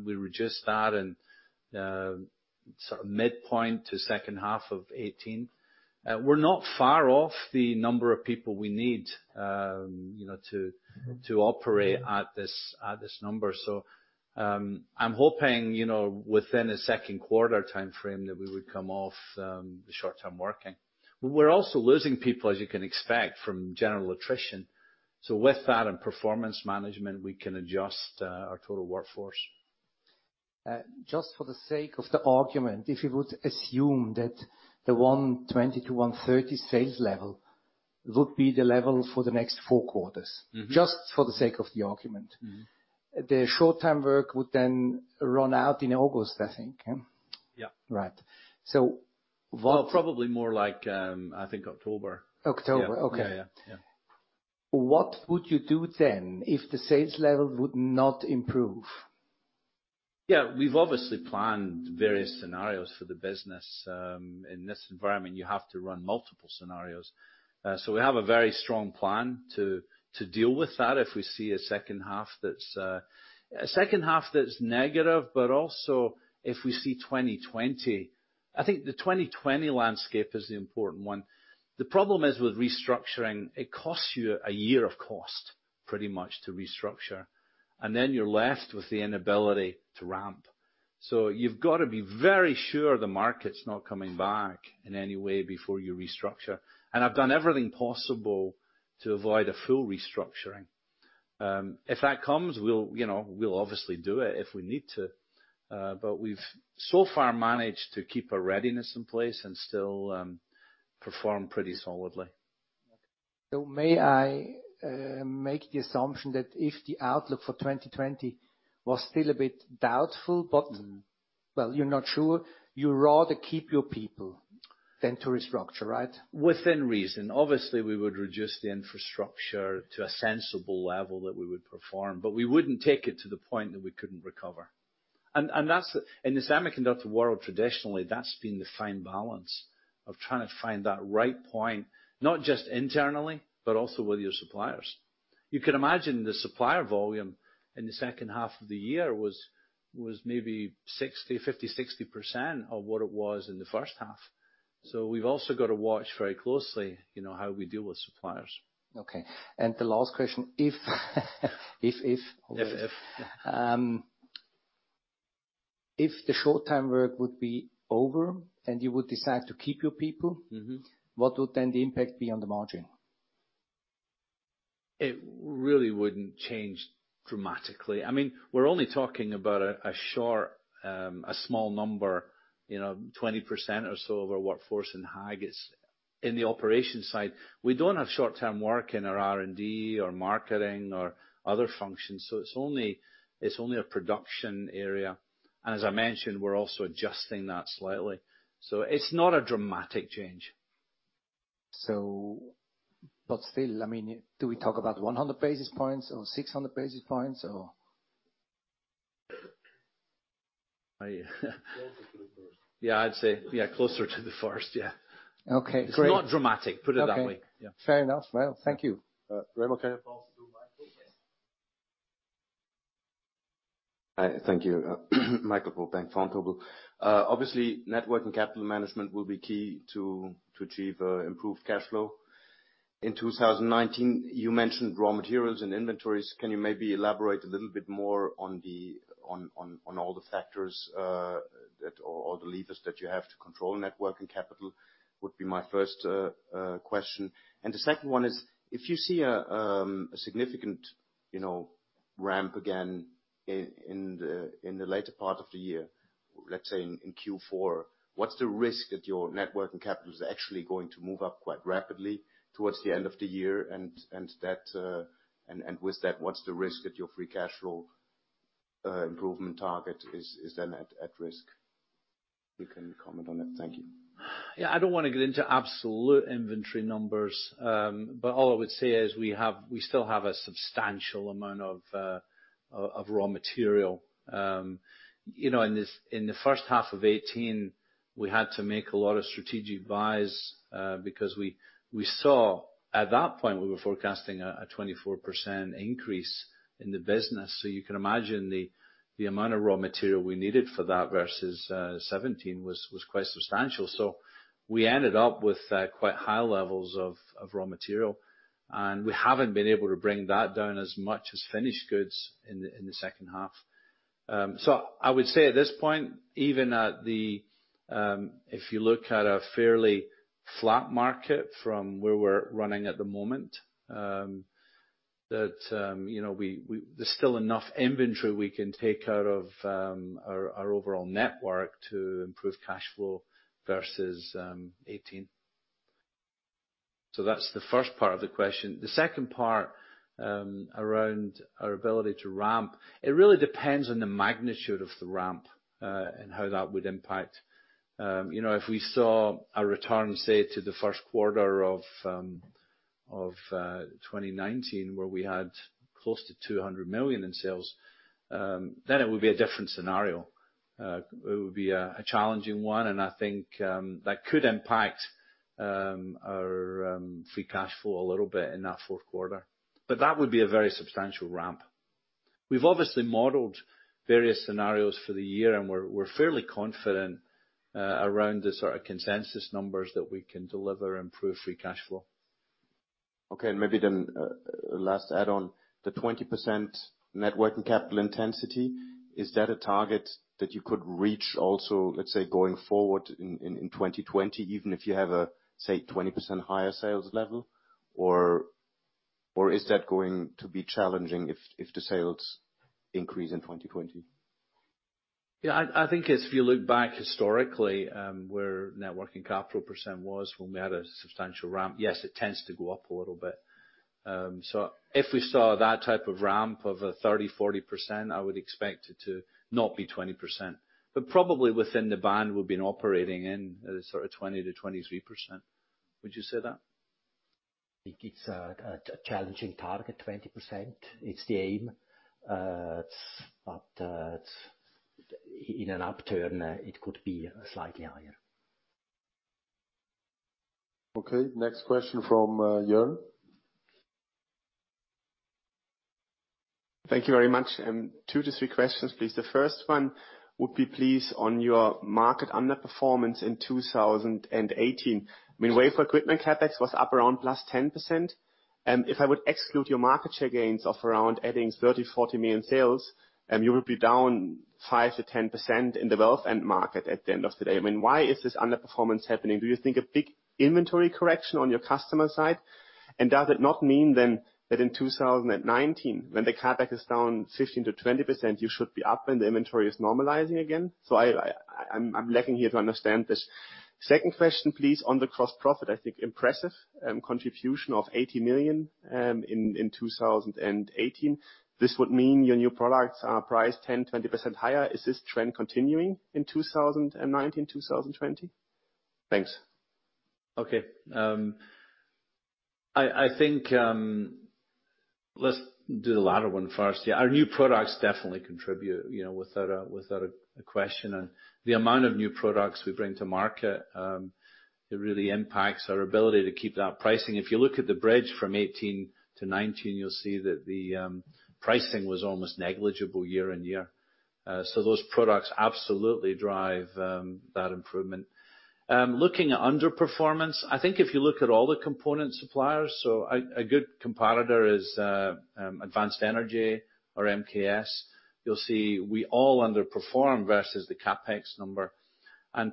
We reduced that in sort of midpoint to second half of 2018. We're not far off the number of people we need to operate at this number. I'm hoping, within a second quarter timeframe that we would come off the short-time working. We're also losing people, as you can expect, from general attrition. With that and performance management, we can adjust our total workforce. Just for the sake of the argument, if you would assume that the 120 million to 130 million sales level would be the level for the next four quarters. Just for the sake of the argument. The short-term work would run out in August, I think, yeah? Yeah. Right. Well, probably more like, I think October. October. Yeah. Okay. Yeah. What would you do then if the sales level would not improve? Yeah. We've obviously planned various scenarios for the business. In this environment, you have to run multiple scenarios. We have a very strong plan to deal with that if we see a second half that's negative, but also if we see 2020. I think the 2020 landscape is the important one. The problem is with restructuring, it costs you a year of cost, pretty much to restructure. Then you're left with the inability to ramp. You've got to be very sure the market's not coming back in any way before you restructure. I've done everything possible to avoid a full restructuring. If that comes, we'll obviously do it if we need to. We've so far managed to keep a readiness in place and still perform pretty solidly. May I make the assumption that if the outlook for 2020 was still a bit doubtful, but- well, you're not sure, you rather keep your people than to restructure, right? Within reason. Obviously, we would reduce the infrastructure to a sensible level that we would perform. We wouldn't take it to the point that we couldn't recover. In the semiconductor world, traditionally, that's been the fine balance of trying to find that right point, not just internally, but also with your suppliers. You can imagine the supplier volume in the second half of the year was maybe 50%-60% of what it was in the first half. We've also got to watch very closely, how we deal with suppliers. Okay. The last question, if- If If the short-term work would be over and you would decide to keep your people- What would then the impact be on the margin? It really wouldn't change dramatically. We're only talking about a small number, 20% or so of our workforce in Haag is in the operations side. We don't have short-term work in our R&D or marketing or other functions. It's only a production area. As I mentioned, we're also adjusting that slightly. It's not a dramatic change. Still, do we talk about 100 basis points or 600 basis points or? Closer to the first. Yeah, I'd say closer to the first. Yeah. Okay, great. It's not dramatic, put it that way. Okay. Yeah. Fair enough. Well, thank you. Remo, can you pass to Michael? Thank you. Michael from Bank Vontobel. Obviously, net working capital management will be key to achieve improved cash flow. In 2019, you mentioned raw materials and inventories. Can you maybe elaborate a little bit more on all the factors, or all the levers that you have to control net working capital? Would be my first question. The second one is, if you see a significant ramp again in the later part of the year, let's say in Q4, what's the risk that your net working capital is actually going to move up quite rapidly towards the end of the year, and with that, what's the risk that your free cash flow improvement target is then at risk? If you can comment on that. Thank you. Yeah, I don't want to get into absolute inventory numbers. All I would say is we still have a substantial amount of raw material. In the first half of 2018, we had to make a lot of strategic buys, because at that point, we were forecasting a 24% increase in the business. You can imagine the amount of raw material we needed for that versus 2017 was quite substantial. We ended up with quite high levels of raw material, and we haven't been able to bring that down as much as finished goods in the second half. I would say at this point, even if you look at a fairly flat market from where we're running at the moment, there's still enough inventory we can take out of our overall network to improve cash flow versus 2018. That's the first part of the question. The second part, around our ability to ramp. It really depends on the magnitude of the ramp, and how that would impact. If we saw a return, say, to the first quarter of 2019 where we had close to 200 million in sales, then it would be a different scenario. It would be a challenging one, and I think that could impact our free cash flow a little bit in that fourth quarter. That would be a very substantial ramp. We've obviously modeled various scenarios for the year, and we're fairly confident around the sort of consensus numbers that we can deliver improved free cash flow. Okay, maybe then last add-on. The 20% net working capital intensity, is that a target that you could reach also, let's say, going forward in 2020, even if you have a, say, 20% higher sales level? Is that going to be challenging if the sales increase in 2020? Yeah, I think if you look back historically, where net working capital % was when we had a substantial ramp, yes, it tends to go up a little bit. If we saw that type of ramp of a 30%-40%, I would expect it to not be 20%. Probably within the band we've been operating in, sort of 20%-23%. Would you say that? It's a challenging target, 20%. It's the aim. In an upturn, it could be slightly higher. Okay, next question from Jörn. Thank you very much. Two to three questions, please. The first one would be, please, on your market underperformance in 2018. Wafer equipment CapEx was up around +10%. If I would exclude your market share gains of around adding 30 million-40 million sales, you would be down 5%-10% in the valve end market at the end of the day. Why is this underperformance happening? Do you think a big inventory correction on your customer side? Does it not mean then that in 2019, when the CapEx is down 15%-20%, you should be up and the inventory is normalizing again? I'm lacking here to understand this. Second question, please, on the gross profit, I think impressive contribution of 80 million in 2018. This would mean your new products are priced 10%-20% higher. Is this trend continuing in 2019, 2020? Thanks. Okay. I think let's do the latter one first. Yeah, our new products definitely contribute, without a question. The amount of new products we bring to market, it really impacts our ability to keep that pricing. If you look at the bridge from 2018 to 2019, you'll see that the pricing was almost negligible year-on-year. Those products absolutely drive that improvement. Looking at underperformance, I think if you look at all the component suppliers, a good comparator is Advanced Energy or MKS. You'll see we all underperform versus the CapEx number.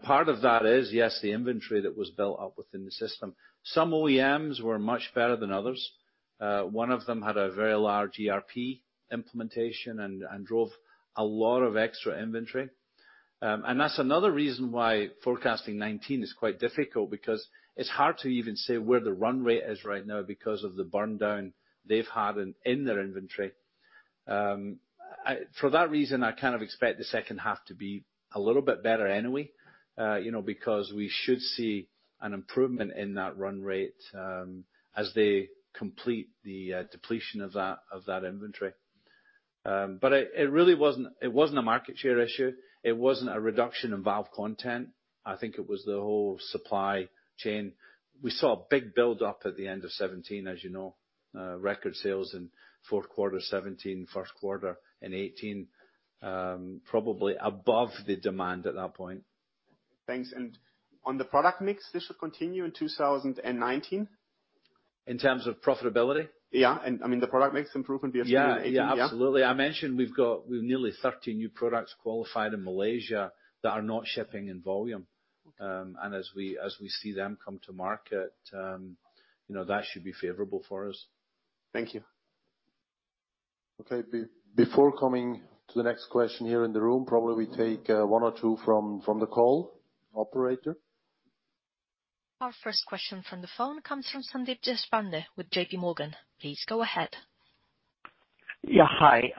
Part of that is, yes, the inventory that was built up within the system. Some OEMs were much better than others. One of them had a very large ERP implementation and drove a lot of extra inventory. That's another reason why forecasting 2019 is quite difficult, because it's hard to even say where the run rate is right now because of the burn down they've had in their inventory. For that reason, I kind of expect the second half to be a little bit better anyway, because we should see an improvement in that run rate as they complete the depletion of that inventory. It really wasn't a market share issue. It wasn't a reduction in valve content. I think it was the whole supply chain. We saw a big buildup at the end of 2017, as you know. Record sales in fourth quarter 2017, first quarter in 2018, probably above the demand at that point. Thanks. On the product mix, this should continue in 2019? In terms of profitability? Yeah. The product mix improvement we have seen in 2018. Yeah, absolutely. I mentioned we've got nearly 30 new products qualified in Malaysia that are not shipping in volume. Okay. As we see them come to market, that should be favorable for us. Thank you. Okay. Before coming to the next question here in the room, probably we take one or two from the call. Operator? Our first question from the phone comes from Sandeep Deshpande with J.P. Morgan. Please go ahead. Yeah. Hi.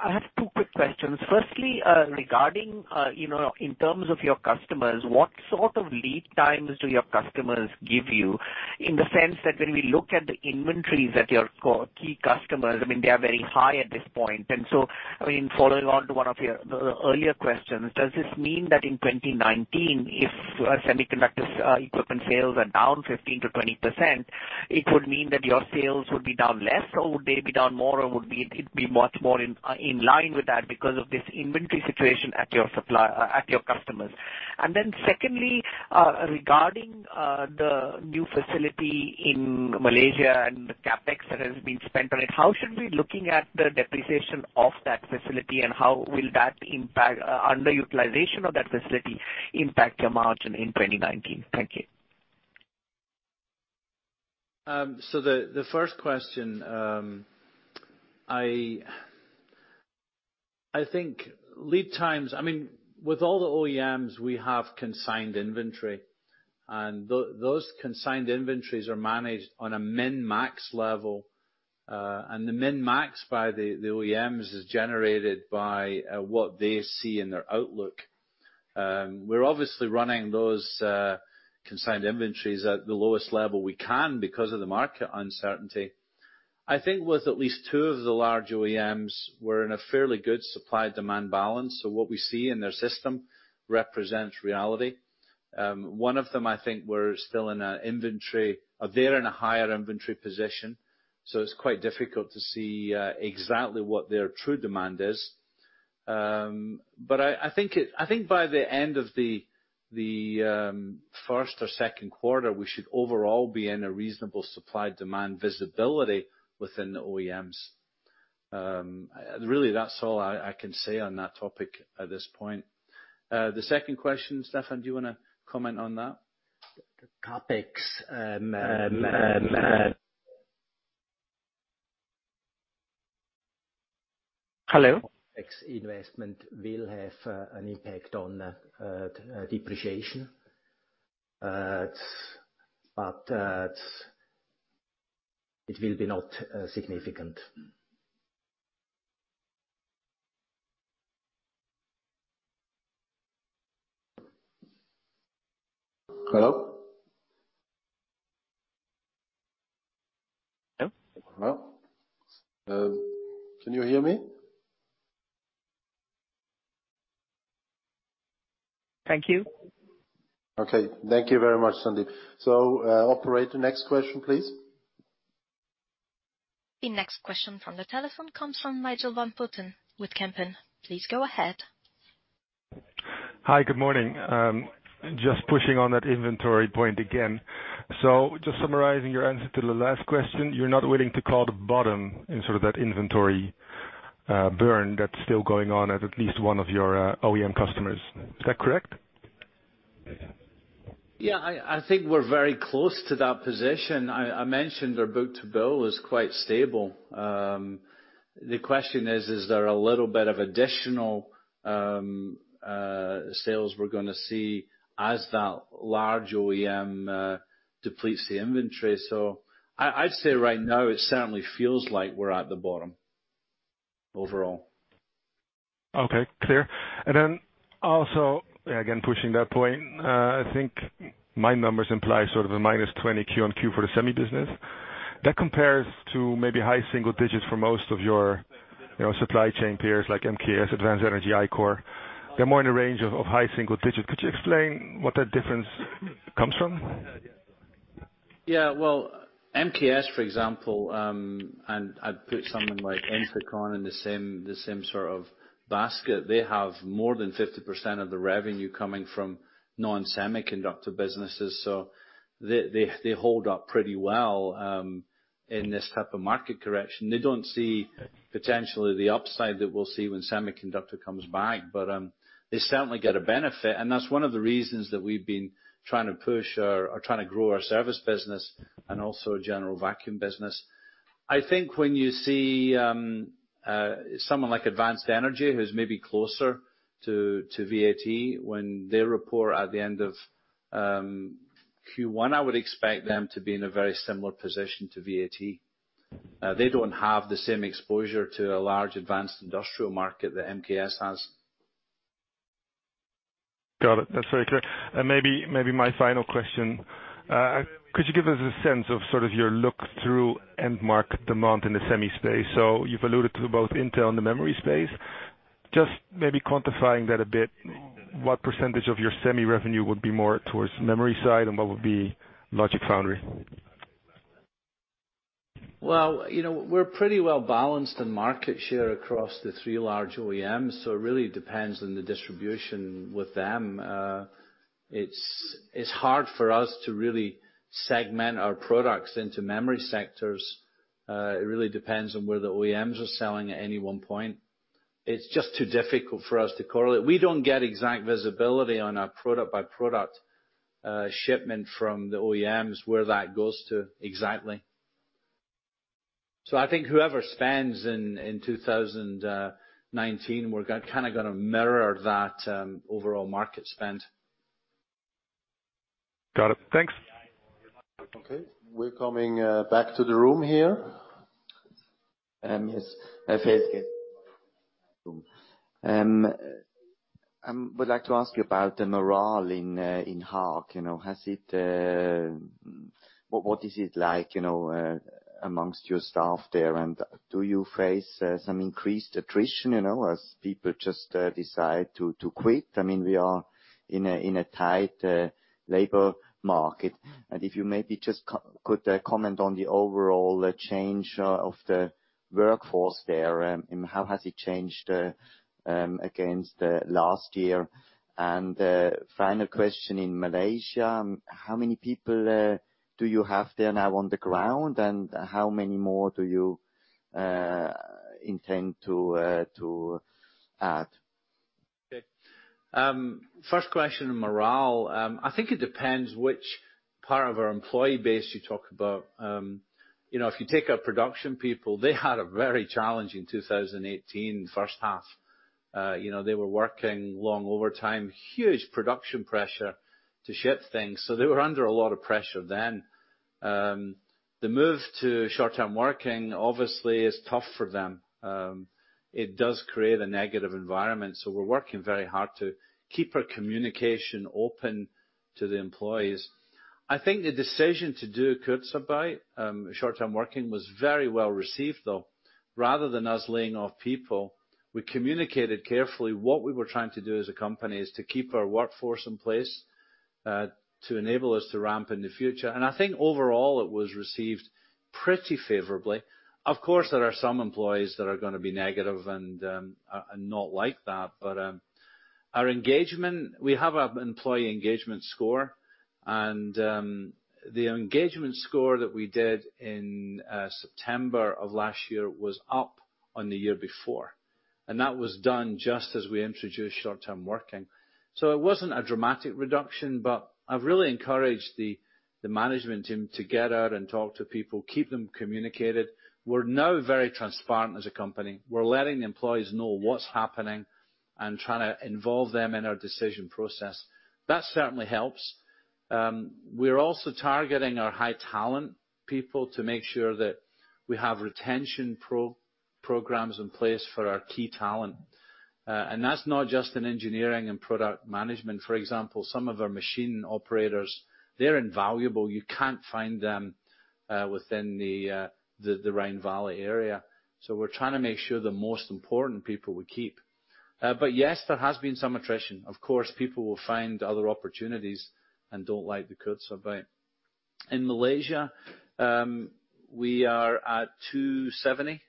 I have two quick questions. Firstly, regarding in terms of your customers, what sort of lead times do your customers give you? In the sense that when we look at the inventories at your key customers, they are very high at this point. So following on to one of your earlier questions, does this mean that in 2019, if semiconductor equipment sales are down 15%-20%, it would mean that your sales would be down less, or would they be down more, or it'd be much more in line with that because of this inventory situation at your customers? Secondly, regarding the new facility in Malaysia and the CapEx that has been spent on it, how should we be looking at the depreciation of that facility, and how will that impact under utilization of that facility impact your margin in 2019? Thank you. The first question, with all the OEMs, we have consigned inventory, and those consigned inventories are managed on a min-max level. The min-max by the OEMs is generated by what they see in their outlook. We're obviously running those consigned inventories at the lowest level we can because of the market uncertainty. I think with at least two of the large OEMs, we're in a fairly good supply-demand balance. What we see in their system represents reality. One of them, they're in a higher inventory position, so it's quite difficult to see exactly what their true demand is. I think by the end of the first or second quarter, we should overall be in a reasonable supply-demand visibility within the OEMs. Really, that's all I can say on that topic at this point. The second question, Stefan, do you want to comment on that? The CapEx Hello? CapEx investment will have an impact on depreciation. It will be not significant. Hello? Hello? Can you hear me? Thank you. Okay. Thank you very much, Sandeep. Operator, next question, please. The next question from the telephone comes from Nigel van Putten with Kempen. Please go ahead. Hi. Good morning. Just pushing on that inventory point again. Just summarizing your answer to the last question, you're not willing to call the bottom in sort of that inventory burn that's still going on at least one of your OEM customers. Is that correct? Yeah, I think we're very close to that position. I mentioned our book-to-bill is quite stable. The question is there a little bit of additional sales we're going to see as that large OEM depletes the inventory? I'd say right now it certainly feels like we're at the bottom overall. Okay. Clear. Also, again, pushing that point, I think my numbers imply sort of a -20 Q-on-Q for the semi business. That compares to maybe high single digits for most of your supply chain peers like MKS, Advanced Energy, Ichor. They're more in the range of high single digits. Could you explain where that difference comes from? Yeah, well, MKS, for example, I'd put someone like INFICON in the same sort of basket. They have more than 50% of the revenue coming from non-semiconductor businesses. They hold up pretty well in this type of market correction. They don't see potentially the upside that we'll see when semiconductor comes back, but they certainly get a benefit. That's one of the reasons that we've been trying to push or trying to grow our service business and also general vacuum business. I think when you see someone like Advanced Energy who's maybe closer to VAT, when they report at the end of Q1, I would expect them to be in a very similar position to VAT. They don't have the same exposure to a large advanced industrial market that MKS has. Got it. That's very clear. Maybe my final question, could you give us a sense of sort of your look through end market demand in the semi space? You've alluded to both Intel and the memory space. Just maybe quantifying that a bit, what % of your semi revenue would be more towards memory side and what would be logic foundry? Well, we're pretty well balanced in market share across the three large OEMs, it really depends on the distribution with them. It's hard for us to really segment our products into memory sectors. It really depends on where the OEMs are selling at any one point. It's just too difficult for us to correlate. We don't get exact visibility on our product by product shipment from the OEMs where that goes to exactly. I think whoever spends in 2019, we're kind of going to mirror that overall market spend. Got it. Thanks. Okay. We're coming back to the room here. I would like to ask you about the morale in Haag. What is it like amongst your staff there, and do you face some increased attrition as people just decide to quit? We are in a tight labor market, and if you maybe just could comment on the overall change of the workforce there, and how has it changed against last year? Final question, in Malaysia, how many people do you have there now on the ground, and how many more do you intend to add? Okay. First question on morale. I think it depends which part of our employee base you talk about. If you take our production people, they had a very challenging 2018 first half. They were working long overtime, huge production pressure to ship things. They were under a lot of pressure then. The move to short-term working obviously is tough for them. It does create a negative environment. We're working very hard to keep our communication open to the employees. I think the decision to do Kurzarbeit, short-term working, was very well received, though. Rather than us laying off people, we communicated carefully what we were trying to do as a company is to keep our workforce in place to enable us to ramp in the future. I think overall it was received pretty favorably. Of course, there are some employees that are going to be negative and not like that. Our engagement, we have an employee engagement score, and the engagement score that we did in September of last year was up on the year before. That was done just as we introduced short-term working. It wasn't a dramatic reduction, but I've really encouraged the management team to get out and talk to people, keep them communicated. We're now very transparent as a company. We're letting the employees know what's happening and trying to involve them in our decision process. That certainly helps. We're also targeting our high talent people to make sure that we have retention programs in place for our key talent. That's not just in engineering and product management, for example. Some of our machine operators, they're invaluable. You can't find them within the Rhine Valley area. We're trying to make sure the most important people we keep. Yes, there has been some attrition. Of course, people will find other opportunities and don't like the Kurzarbeit. In Malaysia, we are at 270,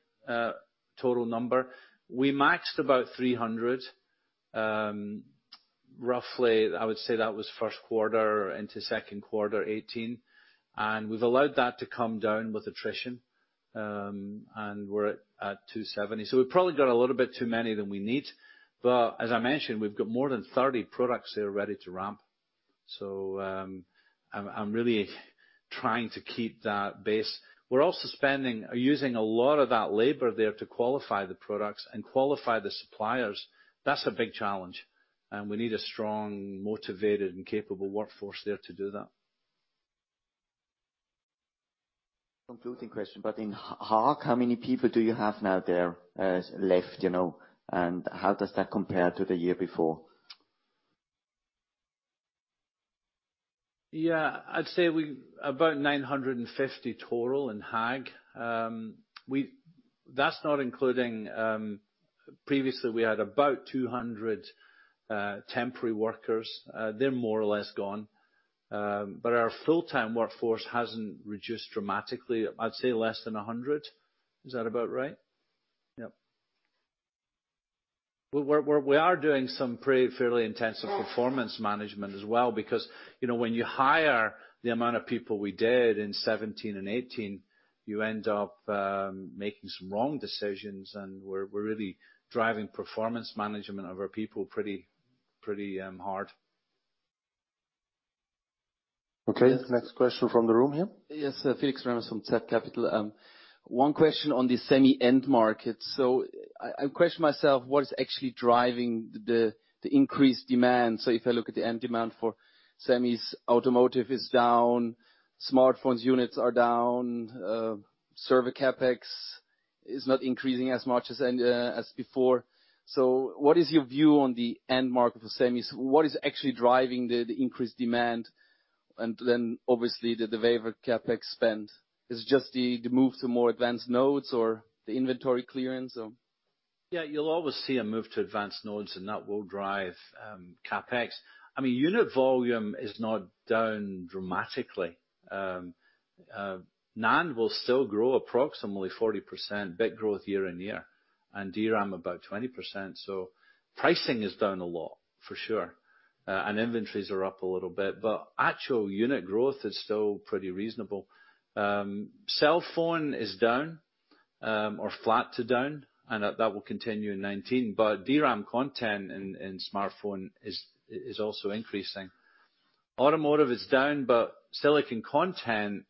total number. We maxed about 300, roughly, I would say that was first quarter into second quarter 2018, and we've allowed that to come down with attrition, and we're at 270. We've probably got a little bit too many than we need, but as I mentioned, we've got more than 30 products there ready to ramp. I'm really trying to keep that base. We're also spending or using a lot of that labor there to qualify the products and qualify the suppliers. That's a big challenge, and we need a strong, motivated, and capable workforce there to do that. Concluding question, in Haag, how many people do you have now there left, and how does that compare to the year before? I'd say about 950 total in Haag. That's not including, previously we had about 200 temporary workers. They're more or less gone. Our full-time workforce hasn't reduced dramatically. I'd say less than 100. Is that about right? We are doing some pretty fairly intensive performance management as well, when you hire the amount of people we did in 2017 and 2018, you end up making some wrong decisions, and we're really driving performance management of our people pretty hard. Next question from the room here. Yes, Felix Ramos from zCapital AG. One question on the semi end market. I question myself, what is actually driving the increased demand? If I look at the end demand for semis, automotive is down, smartphones units are down, server CapEx is not increasing as much as before. What is your view on the end market for semis? What is actually driving the increased demand? Obviously, the wafer CapEx spend. Is it just the move to more advanced nodes or the inventory clearance or? Yeah, you'll always see a move to advanced nodes. That will drive CapEx. Unit volume is not down dramatically. NAND will still grow approximately 40% bit growth year-on-year, and DRAM about 20%. Pricing is down a lot, for sure. Inventories are up a little bit, but actual unit growth is still pretty reasonable. Cell phone is down, or flat to down. That will continue in 2019. DRAM content in smartphone is also increasing. Automotive is down, but silicon content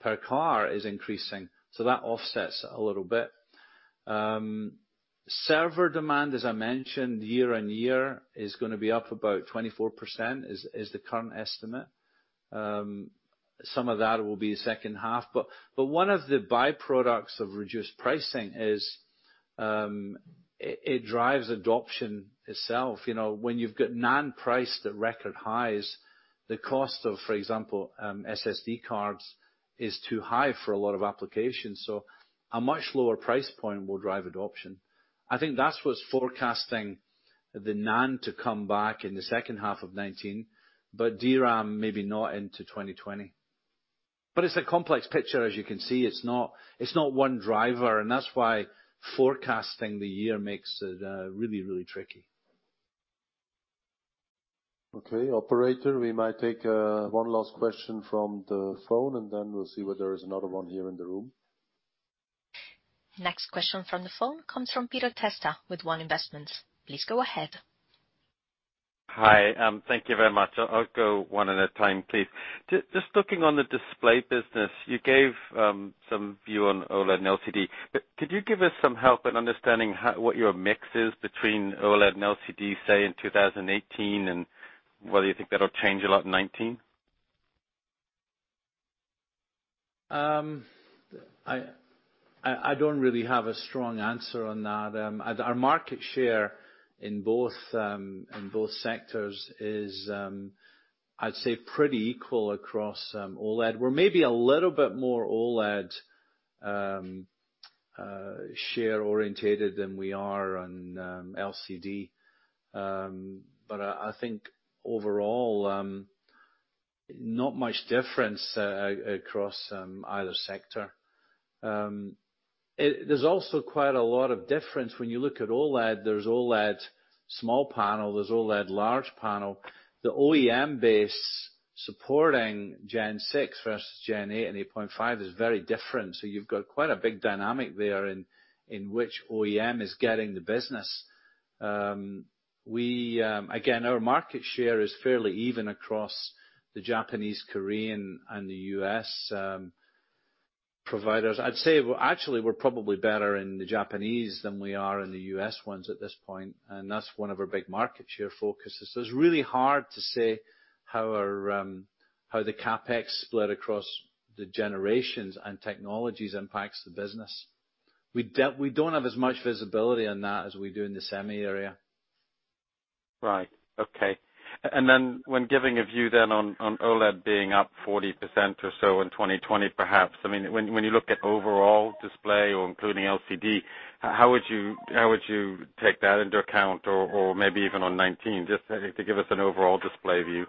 per car is increasing, so that offsets a little bit. Server demand, as I mentioned, year-on-year, is going to be up about 24%, is the current estimate. Some of that will be second half. One of the byproducts of reduced pricing is, it drives adoption itself. When you've got NAND priced at record highs, the cost of, for example, SSD cards is too high for a lot of applications. A much lower price point will drive adoption. I think that's what's forecasting the NAND to come back in the second half of 2019, but DRAM maybe not into 2020. It's a complex picture, as you can see. It's not one driver. That's why forecasting the year makes it really, really tricky. Okay, operator, we might take one last question from the phone. Then we'll see whether there is another one here in the room. Next question from the phone comes from Peter Testa with One Investments. Please go ahead. Hi. Thank you very much. I'll go one at a time, please. Just looking on the display business, you gave some view on OLED and LCD. Could you give us some help in understanding what your mix is between OLED and LCD, say, in 2018, and whether you think that'll change a lot in 2019? I don't really have a strong answer on that. Our market share in both sectors is, I'd say, pretty equal across OLED. We're maybe a little bit more OLED share orientated than we are on LCD. I think overall, not much difference across either sector. There's also quite a lot of difference when you look at OLED. There's OLED small panel, there's OLED large panel. The OEM base supporting Gen 6 versus Gen 8 and 8.5 is very different. You've got quite a big dynamic there in which OEM is getting the business. Again, our market share is fairly even across the Japanese, Korean, and the U.S. providers. I'd say, actually, we're probably better in the Japanese than we are in the U.S. ones at this point, and that's one of our big market share focuses. It's really hard to say how the CapEx split across the generations and technologies impacts the business. We don't have as much visibility on that as we do in the semi area. Right. Okay. Then when giving a view then on OLED being up 40% or so in 2020 perhaps, when you look at overall display or including LCD, how would you take that into account or maybe even on 2019, just to give us an overall display view?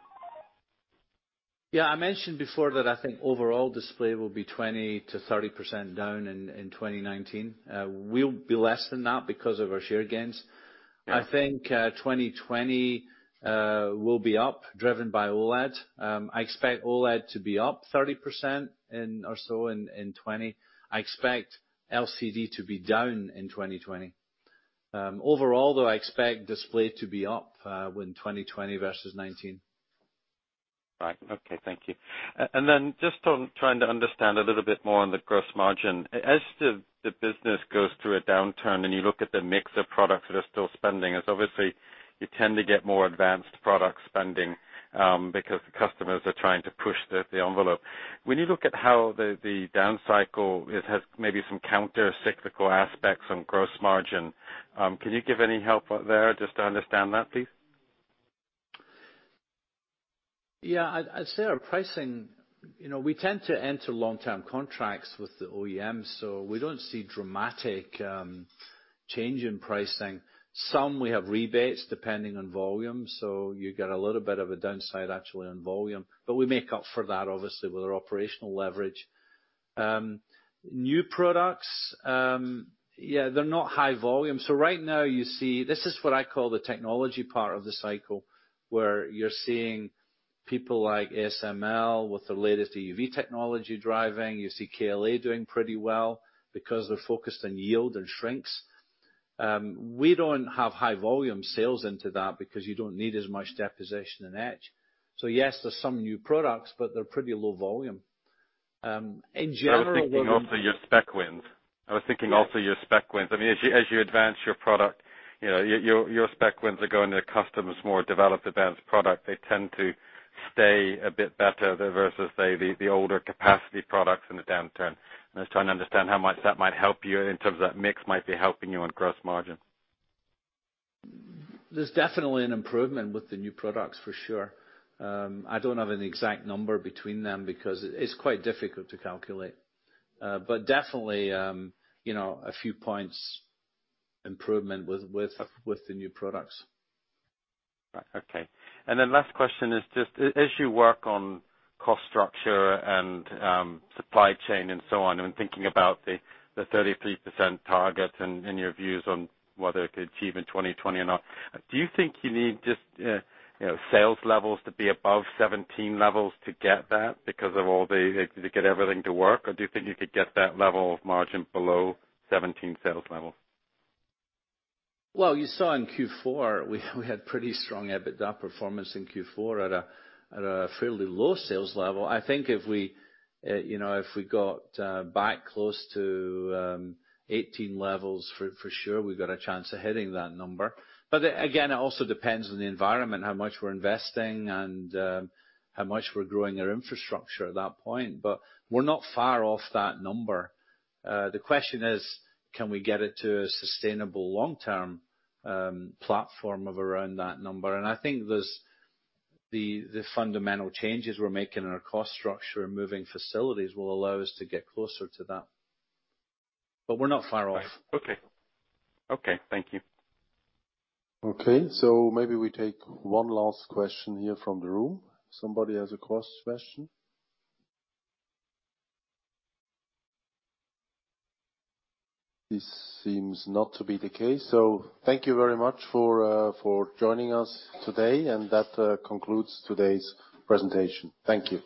Yeah, I mentioned before that I think overall display will be 20%-30% down in 2019. We'll be less than that because of our share gains. Yeah. I think 2020 will be up, driven by OLED. I expect OLED to be up 30% or so in 2020. I expect LCD to be down in 2020. Overall, though, I expect display to be up when 2020 versus 2019. Right. Okay. Thank you. Then just trying to understand a little bit more on the gross margin. As the business goes through a downturn and you look at the mix of products that are still spending, as obviously you tend to get more advanced product spending because the customers are trying to push the envelope. When you look at how the down cycle, it has maybe some countercyclical aspects on gross margin. Can you give any help there just to understand that, please? Yeah. I'd say our pricing, we tend to enter long-term contracts with the OEMs, we don't see dramatic change in pricing. Some we have rebates depending on volume, you get a little bit of a downside actually on volume. We make up for that obviously with our operational leverage. New products, yeah, they're not high volume. Right now you see this is what I call the technology part of the cycle, where you're seeing people like ASML with the latest EUV technology driving. You see KLA doing pretty well because they're focused on yield and shrinks. We don't have high volume sales into that because you don't need as much deposition and etch. Yes, there's some new products, but they're pretty low volume. In general- I was thinking also your spec wins. I was thinking also your spec wins. As you advance your product, your spec wins are going to customers more developed, advanced product. They tend to stay a bit better versus the older capacity products in a downturn. I was trying to understand how much that might help you in terms of that mix might be helping you on gross margin. There's definitely an improvement with the new products, for sure. I don't have an exact number between them because it's quite difficult to calculate. Definitely, a few points improvement with the new products. Right. Okay. Last question is just as you work on cost structure and supply chain and so on, thinking about the 33% target and your views on whether it could achieve in 2020 or not. Do you think you need just sales levels to be above 2017 levels to get that because of all the, to get everything to work? Do you think you could get that level of margin below 2017 sales level? Well, you saw in Q4, we had pretty strong EBITDA performance in Q4 at a fairly low sales level. I think if we got back close to 2018 levels, for sure we've got a chance of hitting that number. Again, it also depends on the environment, how much we're investing and how much we're growing our infrastructure at that point. We're not far off that number. The question is, can we get it to a sustainable long-term platform of around that number? I think the fundamental changes we're making in our cost structure and moving facilities will allow us to get closer to that. We're not far off. Right. Okay. Thank you. Okay, maybe we take one last question here from the room. Somebody has a cross question? This seems not to be the case. Thank you very much for joining us today. That concludes today's presentation. Thank you.